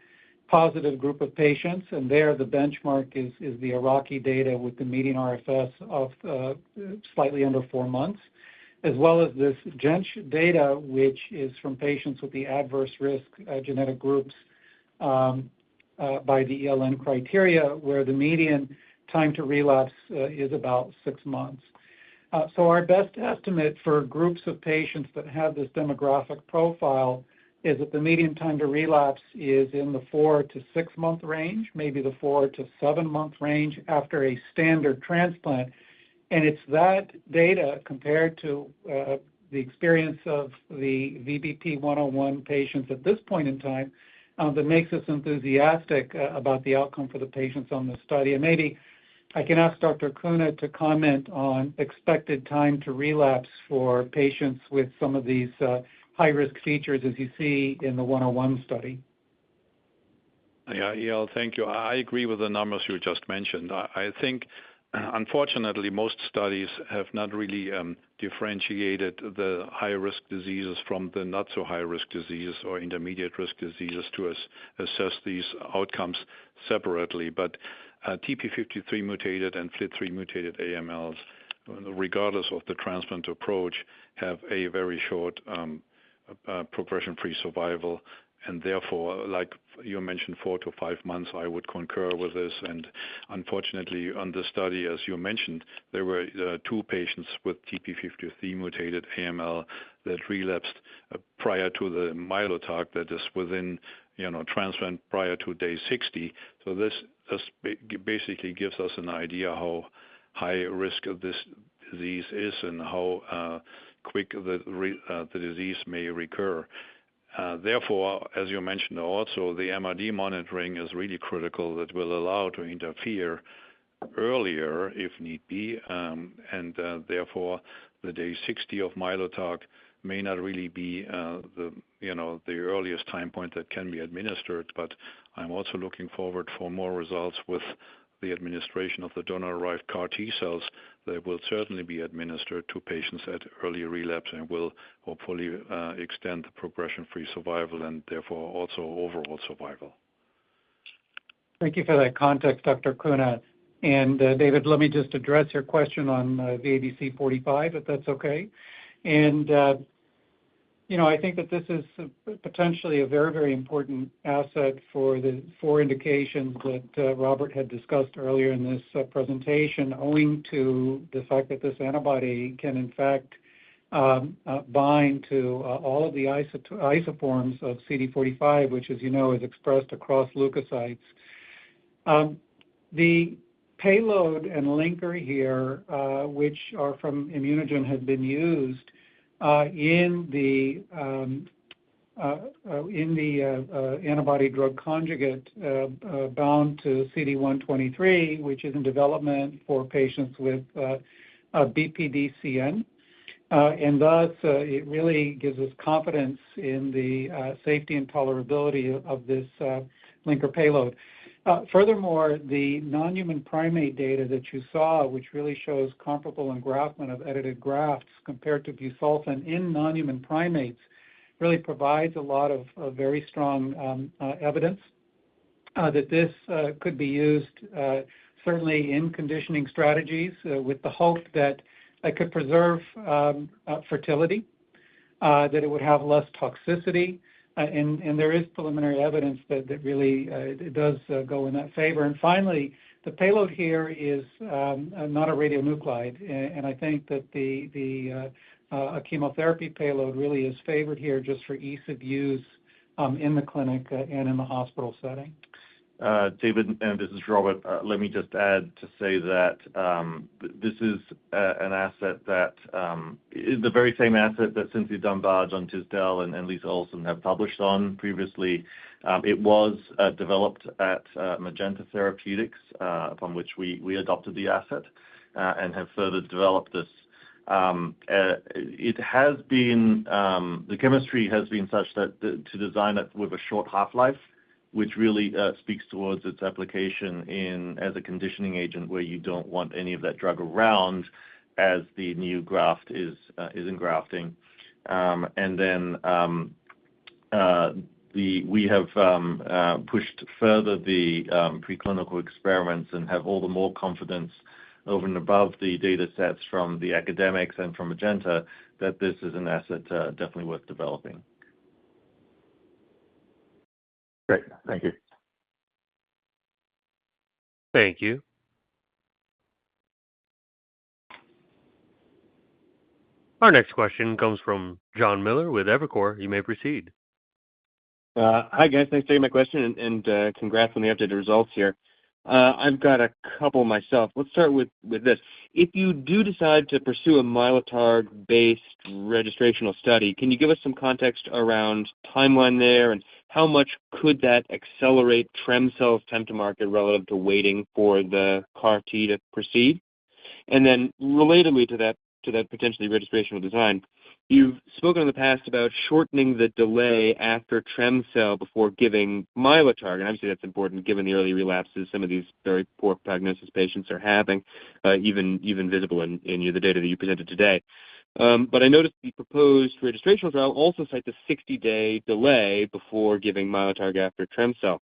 positive group of patients, and there the benchmark is the Iraqi data with the median RFS of slightly under four months, as well as this gent data, which is from patients with the adverse risk genetic groups by the ELN criteria, where the median time to relapse is about six months. Our best estimate for groups of patients that have this demographic profile is that the median time to relapse is in the four- to six-month range, maybe the four- to seven-month range after a standard transplant. It is that data compared to the experience of the VBP-101 patients at this point in time that makes us enthusiastic about the outcome for the patients on this study maybe I can ask Dr. Koehne Can you comment on expected time to relapse for patients with some of these high-risk features as you see in the 101 study? Yeah, Eyal, thank you. I agree with the numbers you just mentioned i think, unfortunately, most studies have not really differentiated the high-risk diseases from the not so high-risk disease or intermediate risk diseases to assess these outcomes separately, but TP53 mutated and FLT3 mutated AMLs, regardless of the transplant approach, have a very short progression-free survival. And therefore, like you mentioned, four-five months, I would concur with this, and unfortunately, on this study, as you mentioned, there were two patients with TP53 mutated AML that relapsed prior to the Mylotarg, that is within, you know, transplant prior to day 60, so this basically gives us an idea how high risk of this disease is and how quick the disease may recur. Therefore, as you mentioned also, the MRD monitoring is really critical that will allow to interfere earlier, if need be, and therefore, the day 60 of Mylotarg may not really be, you know, the earliest time point that can be administered. But I'm also looking forward for more results with the administration of the donor-derived CAR -T-cells that will certainly be administered to patients at early relapse and will hopefully extend the progression-free survival and therefore also overall survival. Thank you for that context, Dr. Koehne. And, David, let me just address your question on the VADC45, if that's okay. And, you know, I think that this is potentially a very, very important asset for the four indications that Robert had discussed earlier in this presentation, owing to the fact that this antibody can, in fact, bind to all of the isoforms of CD45, which, as you know, is expressed across leukocytes. The payload and linker here, which are from ImmunoGen, have been used in the antibody drug conjugate bound to CD123, which is in development for patients with a BPDCN. And thus, it really gives us confidence in the safety and tolerability of this linker payload. Furthermore, the non-human primate data that you saw, which really shows comparable engraftment of edited grafts compared to busulfan in non-human primates, really provides a lot of very strong evidence. That this could be used certainly in conditioning strategies with the hope that it could preserve fertility, that it would have less toxicity, and there is preliminary evidence that really it does go in that favor and finally, the payload here is not a radionuclide, and I think that the chemotherapy payload really is favored here just for ease of use in the clinic and in the hospital setting. David, and this is Robert. Let me just add to say that this is an asset that is the very same asset that Cynthia Dunbar, John Tisdale, and Lisa Olson have published on previously. It was developed at Magenta Therapeutics, from which we adopted the asset and have further developed this. It has been... The chemistry has been such that to design it with a short half-life, which really speaks towards its application in as a conditioning agent, where you don't want any of that drug around as the new graft is engrafting. And then we have pushed further the preclinical experiments and have all the more confidence over and above the datasets from the academics and from Magenta that this is an asset definitely worth developing. Great. Thank you. Thank you. Our next question comes from John Miller with Evercore. You may proceed. Hi, guys. Thanks for taking my question, and congrats on the updated results here. I've got a couple myself let's start with this. If you do decide to pursue a Mylotarg-based registrational study, can you give us some context around timeline there? And how much could that accelerate Trem-cel's time to market, relative to waiting for the CAR-Tto proceed? And then relatedly to that, to that potentially registrational design, you've spoken in the past about shortening the delay after Trem-cel before giving Mylotarg, and obviously, that's important given the early relapses some of these very poor prognosis patients are having, even visible in the data that you presented today, but I noticed the proposed registrational trial also cites a 60-day delay before giving Mylotarg after Trem-cel,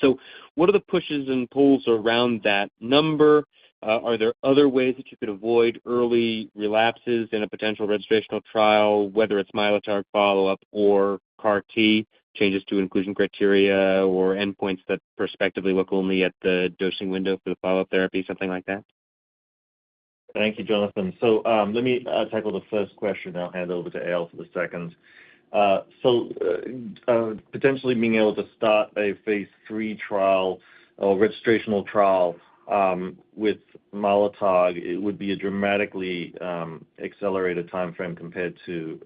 so what are the pushes and pulls around that number? Are there other ways that you could avoid early relapses in a potential registrational trial, whether it's Mylotarg follow-up or CAR -T, changes to inclusion criteria or endpoints that prospectively look only at the dosing window for the follow-up therapy, something like that? Thank you, Jonathan. So, let me tackle the first question, then I'll hand over to Eyal for the second. So, potentially being able to start a phase three trial or registrational trial with Mylotarg, it would be a dramatically accelerated timeframe compared to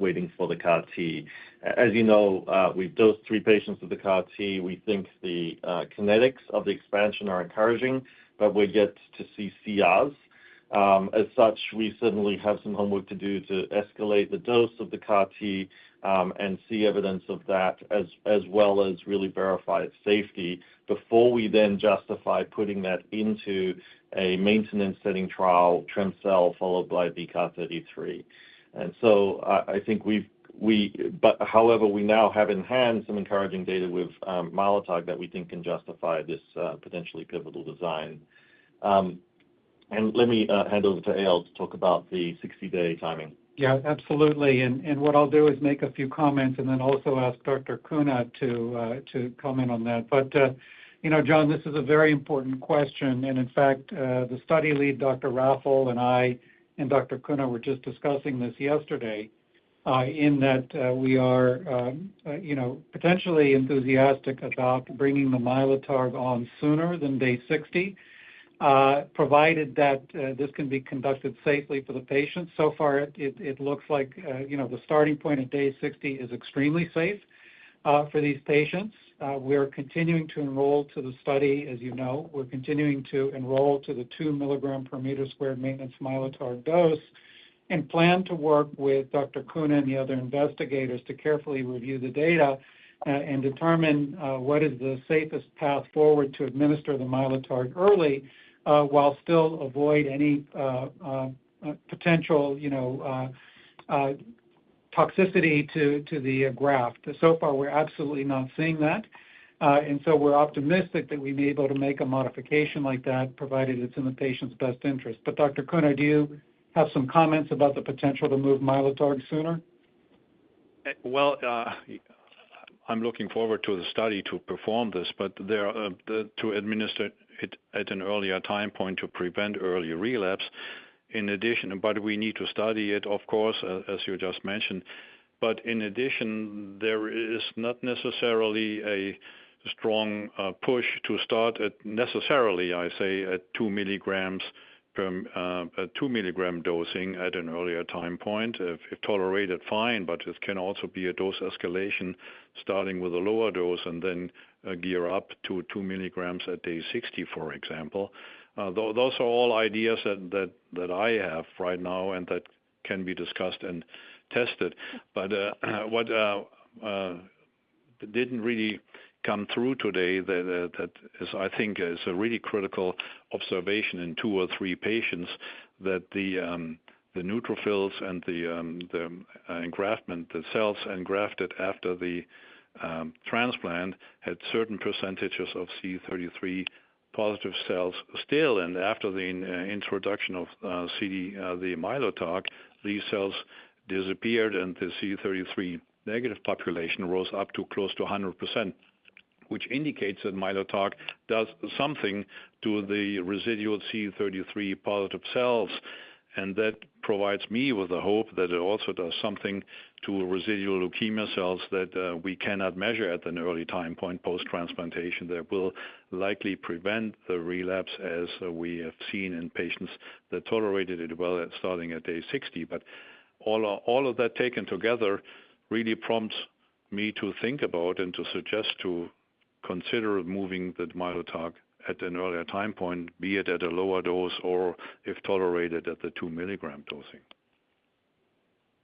waiting for the CAR -T. As you know, we've dosed three patients with the CAR -T. We think the kinetics of the expansion are encouraging, but we get to see CRs. As such, we certainly have some homework to do to escalate the dose of the CAR-Tand see evidence of that, as well as really verify its safety before we then justify putting that into a maintenance-setting trial, Trem-cel, followed by VCAR33. And so I think but however, we now have in hand some encouraging data with Mylotarg that we think can justify this potentially pivotal design. Let me hand over to Eyal to talk about the 60-day timing. Yeah, absolutely. And what I'll do is make a few comments and then also ask Dr. Koehne to comment on that. But you know, John, this is a very important question and in fact, the study lead, Dr. Raffel and I, and Dr. Koehne, were just discussing this yesterday, in that we are you know, potentially enthusiastic about bringing the Mylotarg on sooner than day 60, provided that this can be conducted safely for the patients so far, it looks like you know, the starting point of day 60 is extremely safe? for these patients. We are continuing to enroll to the study, as you know. We're continuing to enroll to the two mg per meter squared maintenance Mylotarg dose and plan to work with Dr. Koehne and the other investigators to carefully review the data. And determine what is the safest path forward to administer the Mylotarg early, while still avoid any potential, you know, toxicity to the graft. So far, we're absolutely not seeing that, and so we're optimistic that we'll be able to make a modification like that, provided it's in the patient's best interest but Dr. Koehne, do you have some comments about the potential to move Mylotarg sooner? I'm looking forward to the study to perform this, but to administer it at an earlier time point to prevent early relapse, in addition, but we need to study it, of course, as you just mentioned. In addition, there is not necessarily a strong push to start at necessarily, I say, at two mg from a two-mg dosing at an earlier time point if tolerated, fine, but it can also be a dose escalation, starting with a lower dose and then gear up to two mg at day 60, for example. Those are all ideas that I have right now and that can be discussed and tested. But what didn't really come through today, that is, I think is a really critical observation in two or three patients, that the neutrophils and the engraftment, the cells engrafted after the transplant, had certain percentages of CD33 positive cells still and after the introduction of the Mylotarg, these cells disappeared, and the CD33 negative population rose up to close to 100% which indicates that Mylotarg does something to the residual CD33 positive cells. And that provides me with the hope that it also does something to residual leukemia cells that we cannot measure at an early time point post-transplantation, that will likely prevent the relapse, as we have seen in patients that tolerated it well starting at day 60. But all of that taken together really prompts me to think about and to suggest to consider moving the Mylotarg at an earlier time point, be it at a lower dose or if tolerated, at the two-mg dosing.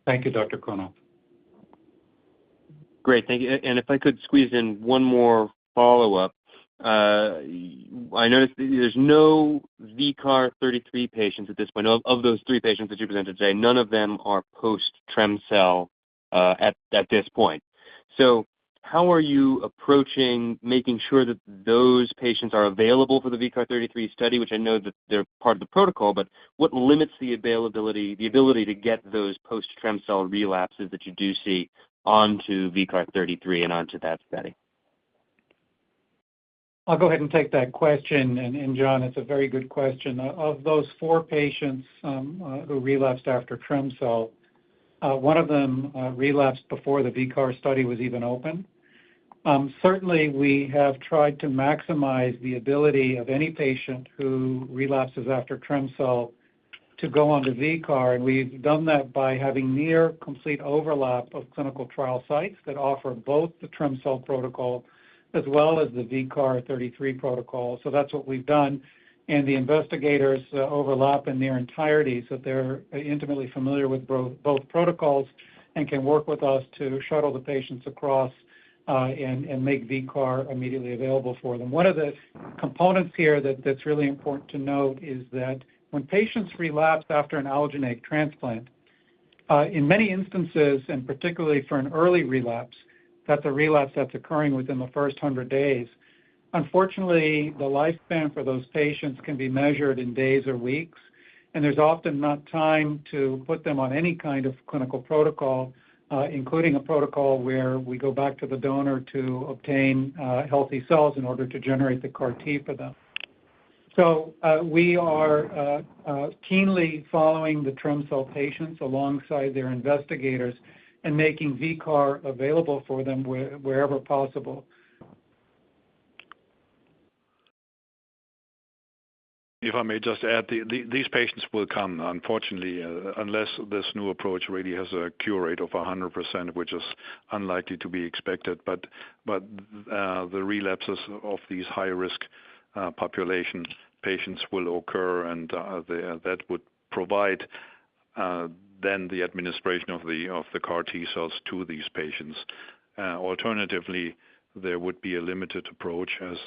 Thank you, Dr. Koehne. Great, thank you and if I could squeeze in one more follow-up. I noticed there's no VCAR33 patients at this point of those three patients that you presented today, none of them are post-Trem-cel, at this point. So how are you approaching making sure that those patients are available for the VCAR33 study, which I know that they're part of the protocol, but what limits the availability, the ability to get those post-Trem-cel relapses that you do see onto VCAR33 and onto that study? I'll go ahead and take that question. And John, it's a very good question. Of those four patients who relapsed after Trem-cel, one of them relapsed before the VCAR study was even open. Certainly, we have tried to maximize the ability of any patient who relapses after Trem-cel to go on to VCAR, and we've done that by having near complete overlap of clinical trial sites that offer both the Trem-cel protocol as well as the VCAR33 protocol so that's what we've done. And the investigators overlap in their entirety, so they're intimately familiar with both protocols and can work with us to shuttle the patients across, and make VCAR immediately available for them one of the components here that's really important to note is that when patients relapse after an allogeneic transplant. In many instances, and particularly for an early relapse, that's a relapse that's occurring within the first 100 days. Unfortunately, the lifespan for those patients can be measured in days or weeks, and there's often not time to put them on any kind of clinical protocol, including a protocol where we go back to the donor to obtain healthy cells in order to generate the CAR-Tfor them. So, we are keenly following the Trem-cel patients alongside their investigators and making VCAR33 available for them wherever possible. If I may just add, these patients will come, unfortunately, unless this new approach really has a cure rate of 100%, which is unlikely to be expected, but the relapses of these high-risk population patients will occur, and that would provide then the administration of the CAR-Tcells to these patients. Alternatively, there would be a limited approach, as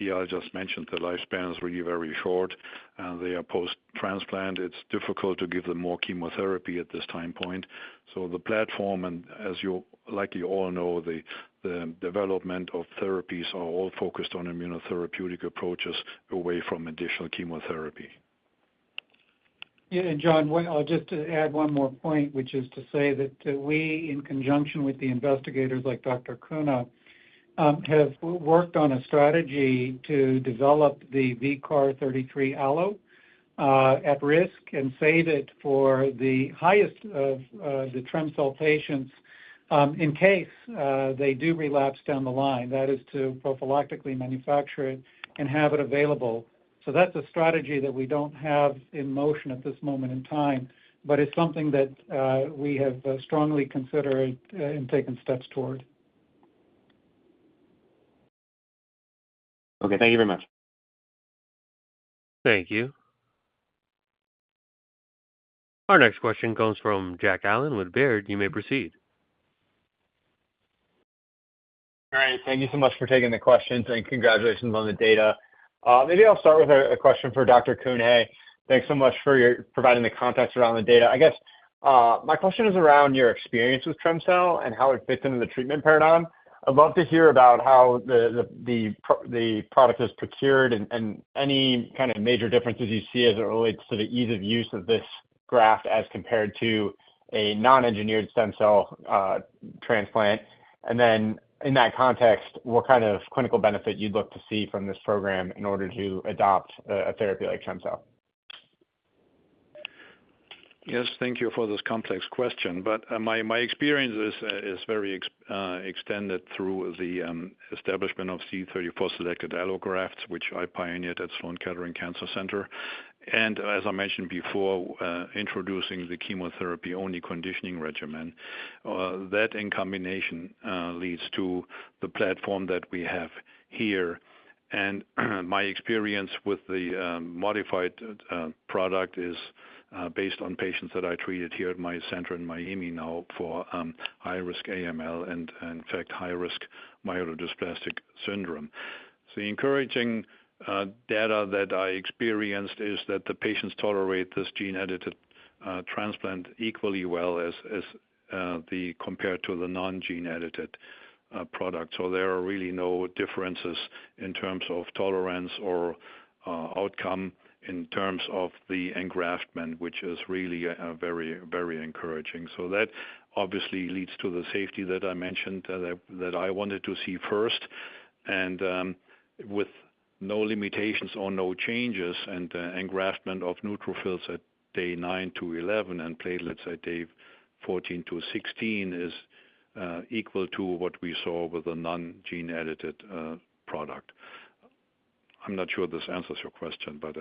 Eyal just mentioned, the lifespan is really very short, and they are post-transplant it's difficult to give them more chemotherapy at this time point, so the platform, and as you likely all know, the development of therapies are all focused on immunotherapeutic approaches away from additional chemotherapy. Yeah, and John, well, I'll just add one more point, which is to say that, we, in conjunction with the investigators like Dr. Koehne, have worked on a strategy to develop the VCAR33 Allo, at risk and save it for the highest of, the Trem-cel patients, in case, they do relapse down the line that is to prophylactically manufacture it and have it available. So that's a strategy that we don't have in motion at this moment in time, but it's something that, we have, strongly considered, and taken steps toward. Okay, thank you very much. Thank you. Our next question comes from Jack Allen with Baird. You may proceed. All right, thank you so much for taking the questions, and congratulations on the data. Maybe I'll start with a question for Dr. Koehne. Thanks so much for your providing the context around the data. I guess my question is around your experience with Trem-cel and how it fits into the treatment paradigm. I'd love to hear about how the product is procured and any kind of major differences you see as it relates to the ease of use of this graft as compared to a non-engineered stem cell transplant. Then in that context, what kind of clinical benefit you'd look to see from this program in order to adopt a therapy like Trem-cel? Yes, thank you for this complex question but, my experience is very extended through the establishment of CD34 selected allografts, which I pioneered at Memorial Sloan Kettering Cancer Center. As I mentioned before, introducing the chemotherapy-only conditioning regimen that in combination leads to the platform that we have here. My experience with the modified product is based on patients that I treated here at my center in Miami now for high-risk AML and, in fact, high-risk myelodysplastic syndrome. The encouraging data that I experienced is that the patients tolerate this gene-edited transplant equally well as compared to the non-gene-edited product so there are really no differences in terms of tolerance or outcome in terms of the engraftment, which is really very, very encouraging so that obviously leads to the safety that I mentioned, that, that I wanted to see first. And, with no limitations or no changes and, engraftment of neutrophils at day 9-11 and platelets at day 14-16 is, equal to what we saw with the non-gene-edited, product. I'm not sure this answers your question, but...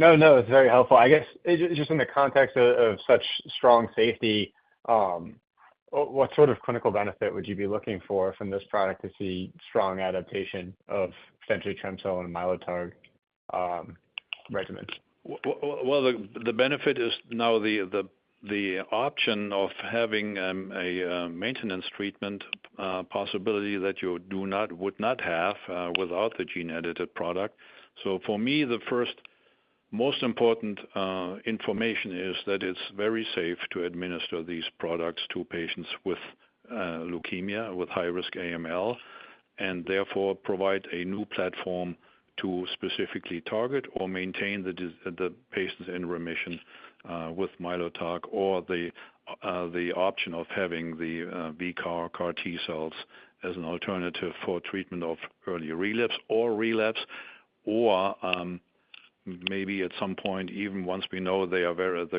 No, no, it's very helpful. I guess, just in the context of such strong safety, what sort of clinical benefit would you be looking for from this product to see strong adoption of Trem-cel and Mylotarg regimens? Well, the benefit is now the option of having a maintenance treatment possibility that you would not have without the gene-edited product. So for me, the first most important information is that it's very safe to administer these products to patients with leukemia, with high-risk AML, and therefore provide a new platform to specifically target or maintain the patients in remission with Mylotarg, or the option of having the v CAR-Tcells as an alternative for treatment of early relapse or relapse. Ormaybe at some point, even once we know the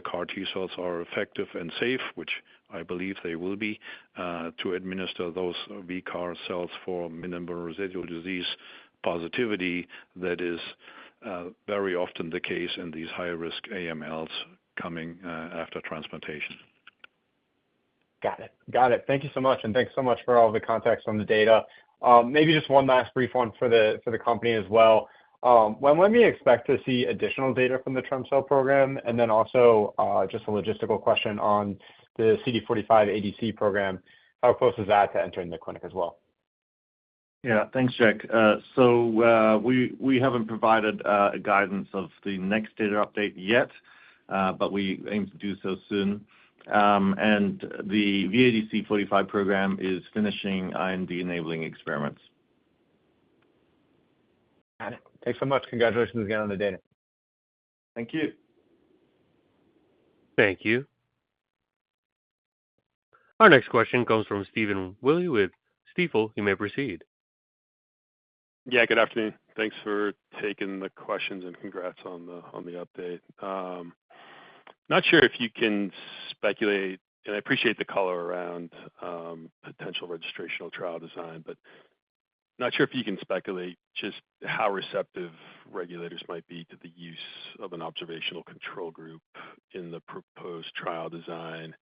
CAR-Tcells are effective and safe, which I believe they will be, to administer those VCAR cells for minimal residual disease positivity, that is, very often the case in these high-risk AMLs coming after transplantation. Got it. Got it. Thank you so much, and thanks so much for all the context on the data. Maybe just one last brief one for the company as well. When do we expect to see additional data from the Trem-cel program? And then also, just a logistical question on the CD45 ADC program, how close is that to entering the clinic as well?... Yeah, thanks, Jack. So, we haven't provided a guidance of the next data update yet, but we aim to do so soon. And the VADC45 program is finishing IND-enabling experiments. Got it. Thanks so much. Congratulations again on the data. Thank you. Thank you. Our next question comes from Stephen Willey with Stifel. You may proceed. Yeah, good afternoon. Thanks for taking the questions, and congrats on the update. Not sure if you can speculate, and I appreciate the color around potential registrational trial design, but not sure if you can speculate just how receptive regulators might be to the use of an observational control group in the proposed trial design.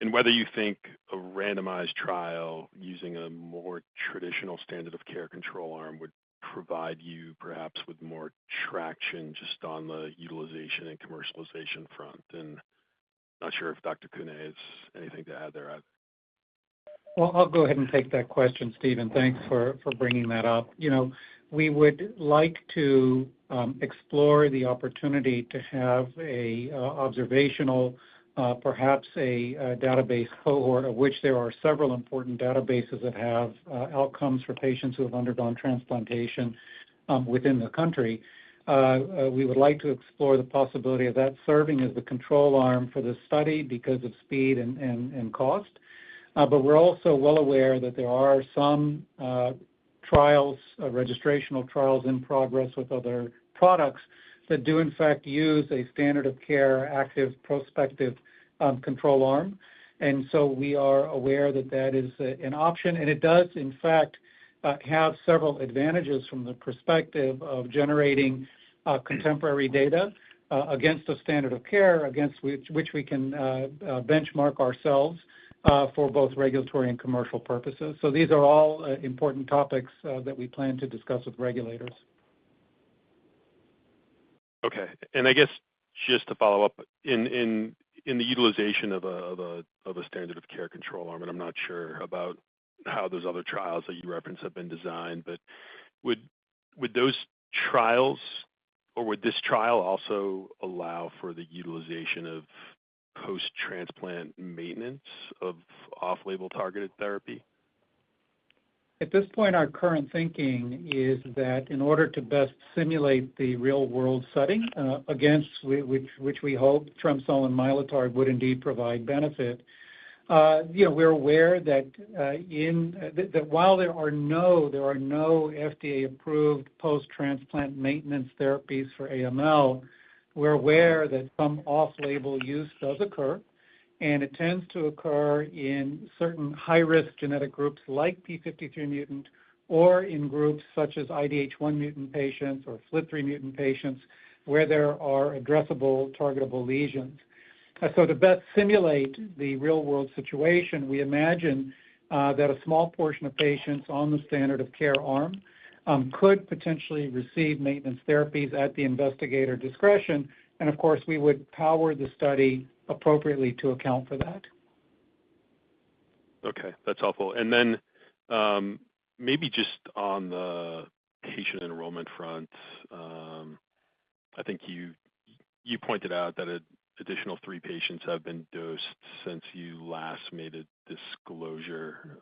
And whether you think a randomized trial using a more traditional standard of care control arm would provide you perhaps with more traction just on the utilization and commercialization front. And not sure if Dr. Koehne has anything to add there. I'll go ahead and take that question, Stephen thanks for bringing that up. You know, we would like to explore the opportunity to have a observational, perhaps a, database cohort, of which there are several important databases that have outcomes for patients who have undergone transplantation within the country. We would like to explore the possibility of that serving as the control arm for this study because of speed and cost. But we're also well aware that there are some trials, registrational trials in progress with other products that do in fact use a standard of care, active, prospective, control arm. And so we are aware that that is an option, and it does in fact have several advantages from the perspective of generating contemporary data against a standard of care, against which we can benchmark ourselves for both regulatory and commercial purposes so these are all important topics that we plan to discuss with regulators. Okay, and I guess just to follow up, in the utilization of a standard of care control arm, and I'm not sure about how those other trials that you referenced have been designed, but would those trials or this trial also allow for the utilization of post-transplant maintenance of off-label targeted therapy? At this point, our current thinking is that in order to best simulate the real world setting, against which we hope Trem-cel and Mylotarg would indeed provide benefit, you know, we're aware that while there are no FDA-approved post-transplant maintenance therapies for AML, we're aware that some off-label use does occur, and it tends to occur in certain high-risk genetic groups like P53 mutant, or in groups such as IDH1 mutant patients or FLT3 mutant patients, where there are addressable, targetable lesions. So to best simulate the real-world situation, we imagine that a small portion of patients on the standard of care arm could potentially receive maintenance therapies at the investigator discretion. And of course, we would power the study appropriately to account for that. Okay, that's helpful. And then, maybe just on the patient enrollment front, I think you pointed out that an additional three patients have been dosed since you last made a disclosure,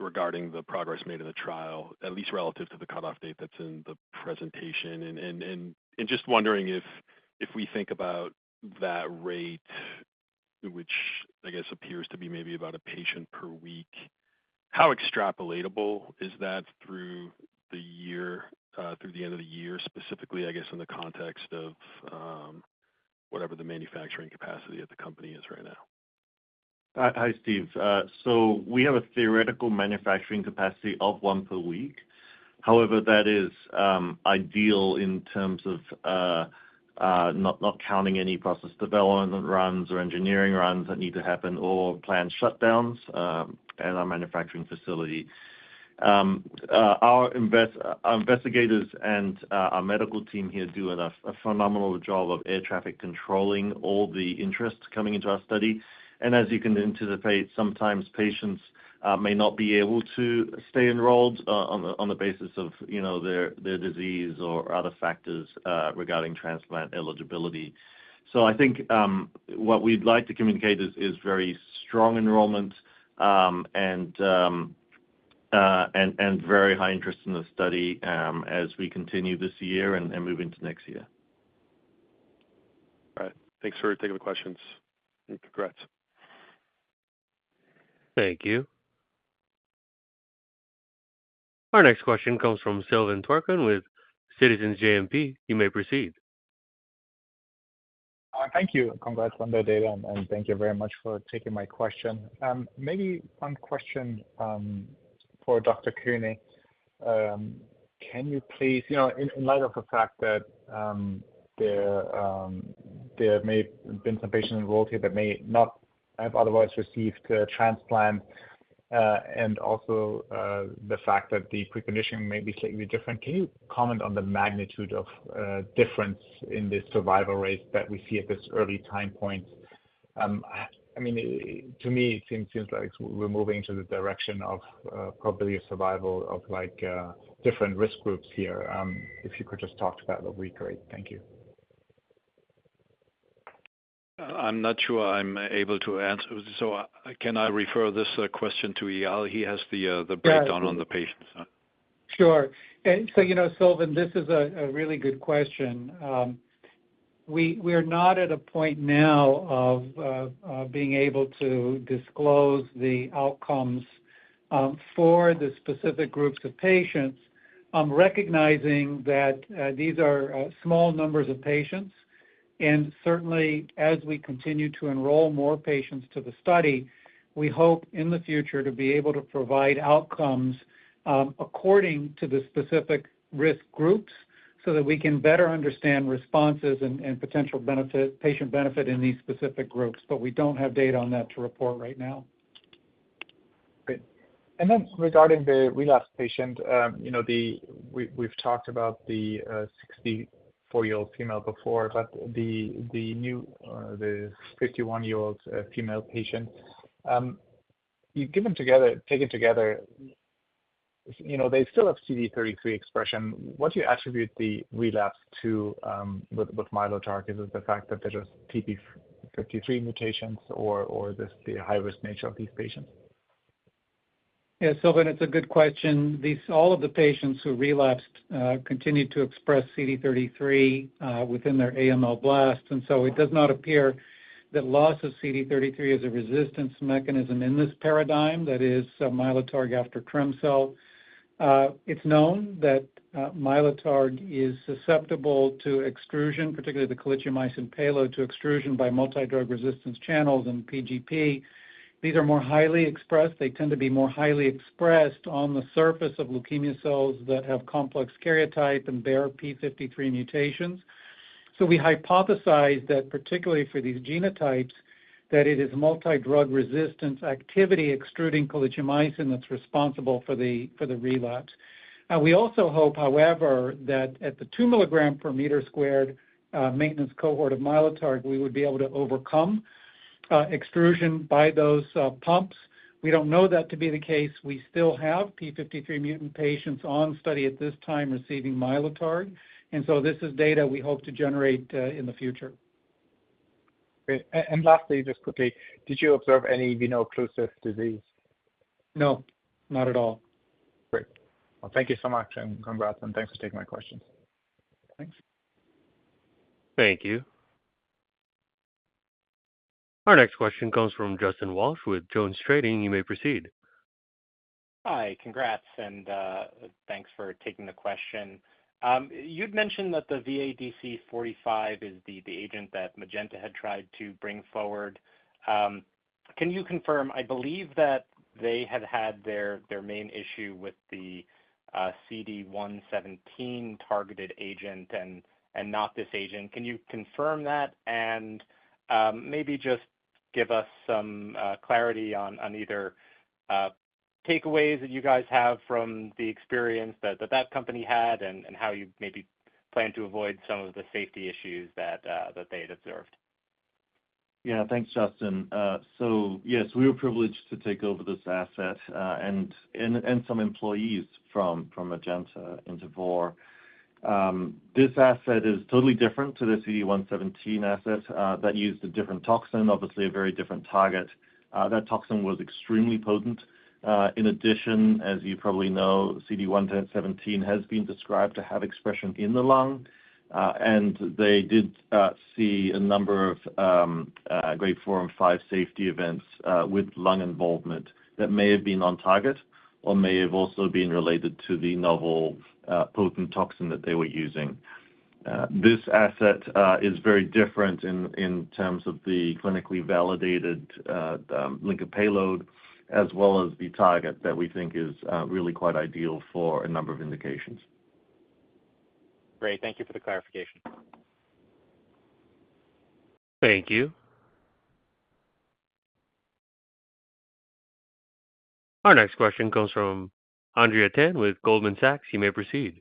regarding the progress made in the trial, at least relative to the cutoff date that's in the presentation and just wondering if we think about that rate, which I guess appears to be maybe about a patient per week, how extrapolatable? is that through the year, through the end of the year? Specifically, I guess, in the context of whatever the manufacturing capacity of the company is right now. Hi, Steve. So we have a theoretical manufacturing capacity of one per week. However, that is ideal in terms of not counting any process development runs or engineering runs that need to happen or planned shutdowns at our manufacturing facility. Our investigators and our medical team here do a phenomenal job of air traffic controlling all the interest coming into our study. And as you can anticipate, sometimes patients may not be able to stay enrolled on the basis of, you know, their disease or other factors regarding transplant eligibility. So I think what we'd like to communicate is very strong enrollment and very high interest in the study as we continue this year and move into next year. All right. Thanks for taking the questions, and congrats. Thank you. Our next question comes from Silvan Tuerkcan with Citizens JMP. You may proceed. Thank you. Congrats on the data, and thank you very much for taking my question. Maybe one question for Dr. Koehne. Can you please, you know, in light of the fact that there may have been some patients enrolled here that may not have otherwise received a transplant. And also the fact that the preconditioning may be slightly different, can you comment on the magnitude of difference in the survival rates that we see at this early time point? I mean, to me, it seems like we're moving to the direction of probably a survival of like different risk groups here. If you could just talk to that, that'd be great. Thank you. I'm not sure I'm able to answer. So can I refer this question to Eyal? He has the breakdown on the patients. Sure. And so, you know, Silvan, this is a really good question. We are not at a point now of being able to disclose the outcomes for the specific groups of patients. I'm recognizing that these are small numbers of patients. And certainly, as we continue to enroll more patients to the study, we hope in the future to be able to provide outcomes according to the specific risk groups, so that we can better understand responses and potential benefit, patient benefit in these specific groups but we don't have data on that to report right now. Great. And then regarding the relapse patient, you know, we've talked about the 64-year-old female before, but the new 51-year-old female patient, taken together, you know, they still have CD33 expression. What do you attribute the relapse to, with Mylotarg? Is it the fact that they're just TP53 mutations or just the high-risk nature of these patients? Yeah, Silvan, it's a good question. These, all of the patients who relapsed continued to express CD33 within their AML blast and so it does not appear that loss of CD33 is a resistance mechanism in this paradigm, that is, Mylotarg after Trem-cel. It's known that Mylotarg is susceptible to extrusion, particularly the colchicine payload to extrusion by multidrug resistance channels and P-gp. These are more highly expressed they tend to be more highly expressed on the surface of leukemia cells that have complex karyotype and bear P53 mutations. So we hypothesized that, particularly for these genotypes, that it is multidrug resistance activity extruding colchicine that's responsible for the relapse. We also hope, however, that at the two mg per meter squared maintenance cohort of Mylotarg, we would be able to overcome extrusion by those pumps. We don't know that to be the case. We still have TP53 mutant patients on study at this time receiving Mylotarg, and so this is data we hope to generate in the future. Great, and lastly, just quickly, did you observe any Veno-Occlusive Disease? No, not at all. Great. Well, thank you so much, and congrats, and thanks for taking my questions. Thanks. Thank you. Our next question comes from Justin Walsh with Jones Trading. You may proceed. Hi, congrats, and thanks for taking the question. You'd mentioned that the VADC45 is the agent that Magenta had tried to bring forward. Can you confirm? I believe that they had had their main issue with the CD117 targeted agent and not this agent. Can you confirm that? And maybe just give us some clarity on either takeaways that you guys have from the experience that company had, and how you maybe plan to avoid some of the safety issues that they had observed. Yeah. Thanks, Justin. So yes, we were privileged to take over this asset, and some employees from Magenta into Vor. This asset is totally different to the CD117 asset, that used a different toxin, obviously a very different target. That toxin was extremely potent. In addition, as you probably know, CD117 has been described to have expression in the lung, and they did see a number of grade four and five safety events, with lung involvement that may have been on target or may have also been related to the novel potent toxin that they were using. This asset is very different in terms of the clinically validated linker payload as well as the target that we think is really quite ideal for a number of indications. Great. Thank you for the clarification. Thank you. Our next question comes from Andrea Tan with Goldman Sachs. You may proceed.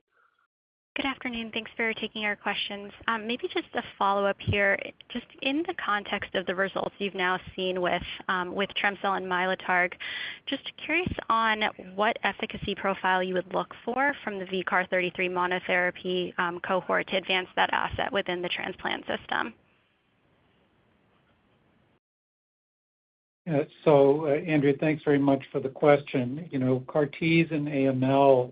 Good afternoon. Thanks for taking our questions. Maybe just a follow-up here. Just in the context of the results you've now seen with Trem-cel and Mylotarg, just curious on what efficacy profile you would look for from the VCAR33 monotherapy cohort to advance that asset within the transplant system? So, Andrea, thanks very much for the question. You know, CAR-Ts and AML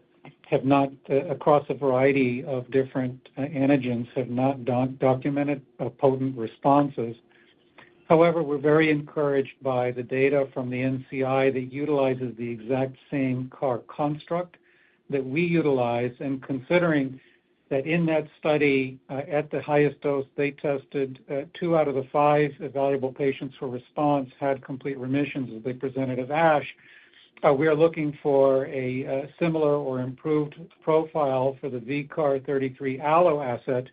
have not, across a variety of different antigens, have not documented potent responses. However, we're very encouraged by the data from the NCI that utilizes the exact same CAR construct. That we utilize, and considering that in that study, at the highest dose they tested, two out of the five evaluable patients for response had complete remissions, as they presented at ASH. We are looking for a similar or improved profile for the VCAR33 allo asset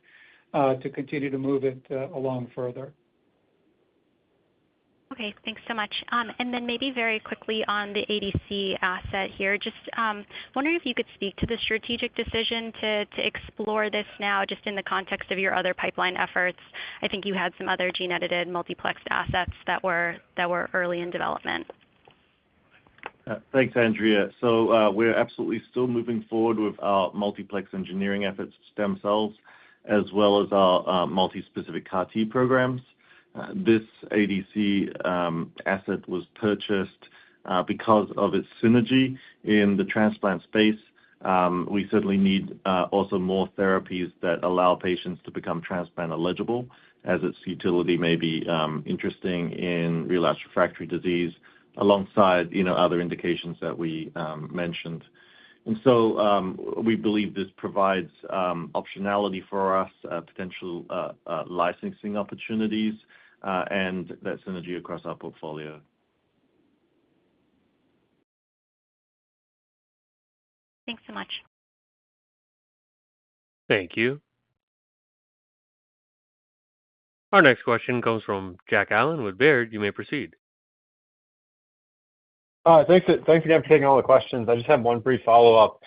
to continue to move it along further. ... Okay, thanks so much. And then maybe very quickly on the ADC asset here, just wondering if you could speak to the strategic decision to explore this now, just in the context of your other pipeline efforts. I think you had some other gene-edited multiplexed assets that were early in development. Thanks, Andrea. So, we're absolutely still moving forward with our multiplex engineering efforts with stem cells, as well as our multispecific CAR-Tprograms. This ADC asset was purchased because of its synergy in the transplant space. We certainly need also more therapies that allow patients to become transplant eligible, as its utility may be interesting in relapsed/refractory disease, alongside, you know, other indications that we mentioned. And so, we believe this provides optionality for us, potential licensing opportunities, and that synergy across our portfolio. Thanks so much. Thank you. Our next question comes from Jack Allen with Baird. You may proceed. Thanks again for taking all the questions i just have one brief follow-up.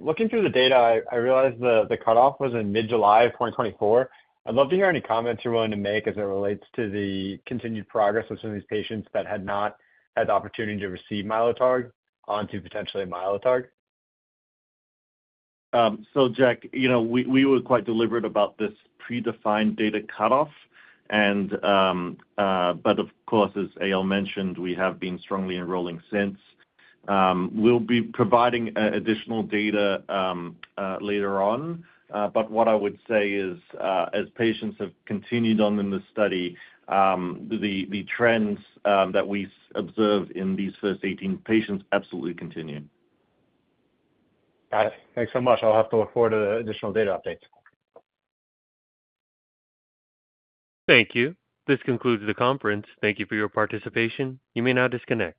Looking through the data, I realize the cutoff was in mid-July 2024. I'd love to hear any comments you're willing to make as it relates to the continued progress of some of these patients that had not had the opportunity to receive Mylotarg on to, potentially, Mylotarg. So Jack, you know, we were quite deliberate about this predefined data cutoff, and but of course, as Eyal mentioned, we have been strongly enrolling since. We'll be providing additional data later on. But what I would say is, as patients have continued on in this study, the trends that we observed in these first 18 patients absolutely continue. Got it. Thanks so much i'll have to look forward to the additional data updates. Thank you. This concludes the conference. Thank you for your participation. You may now disconnect.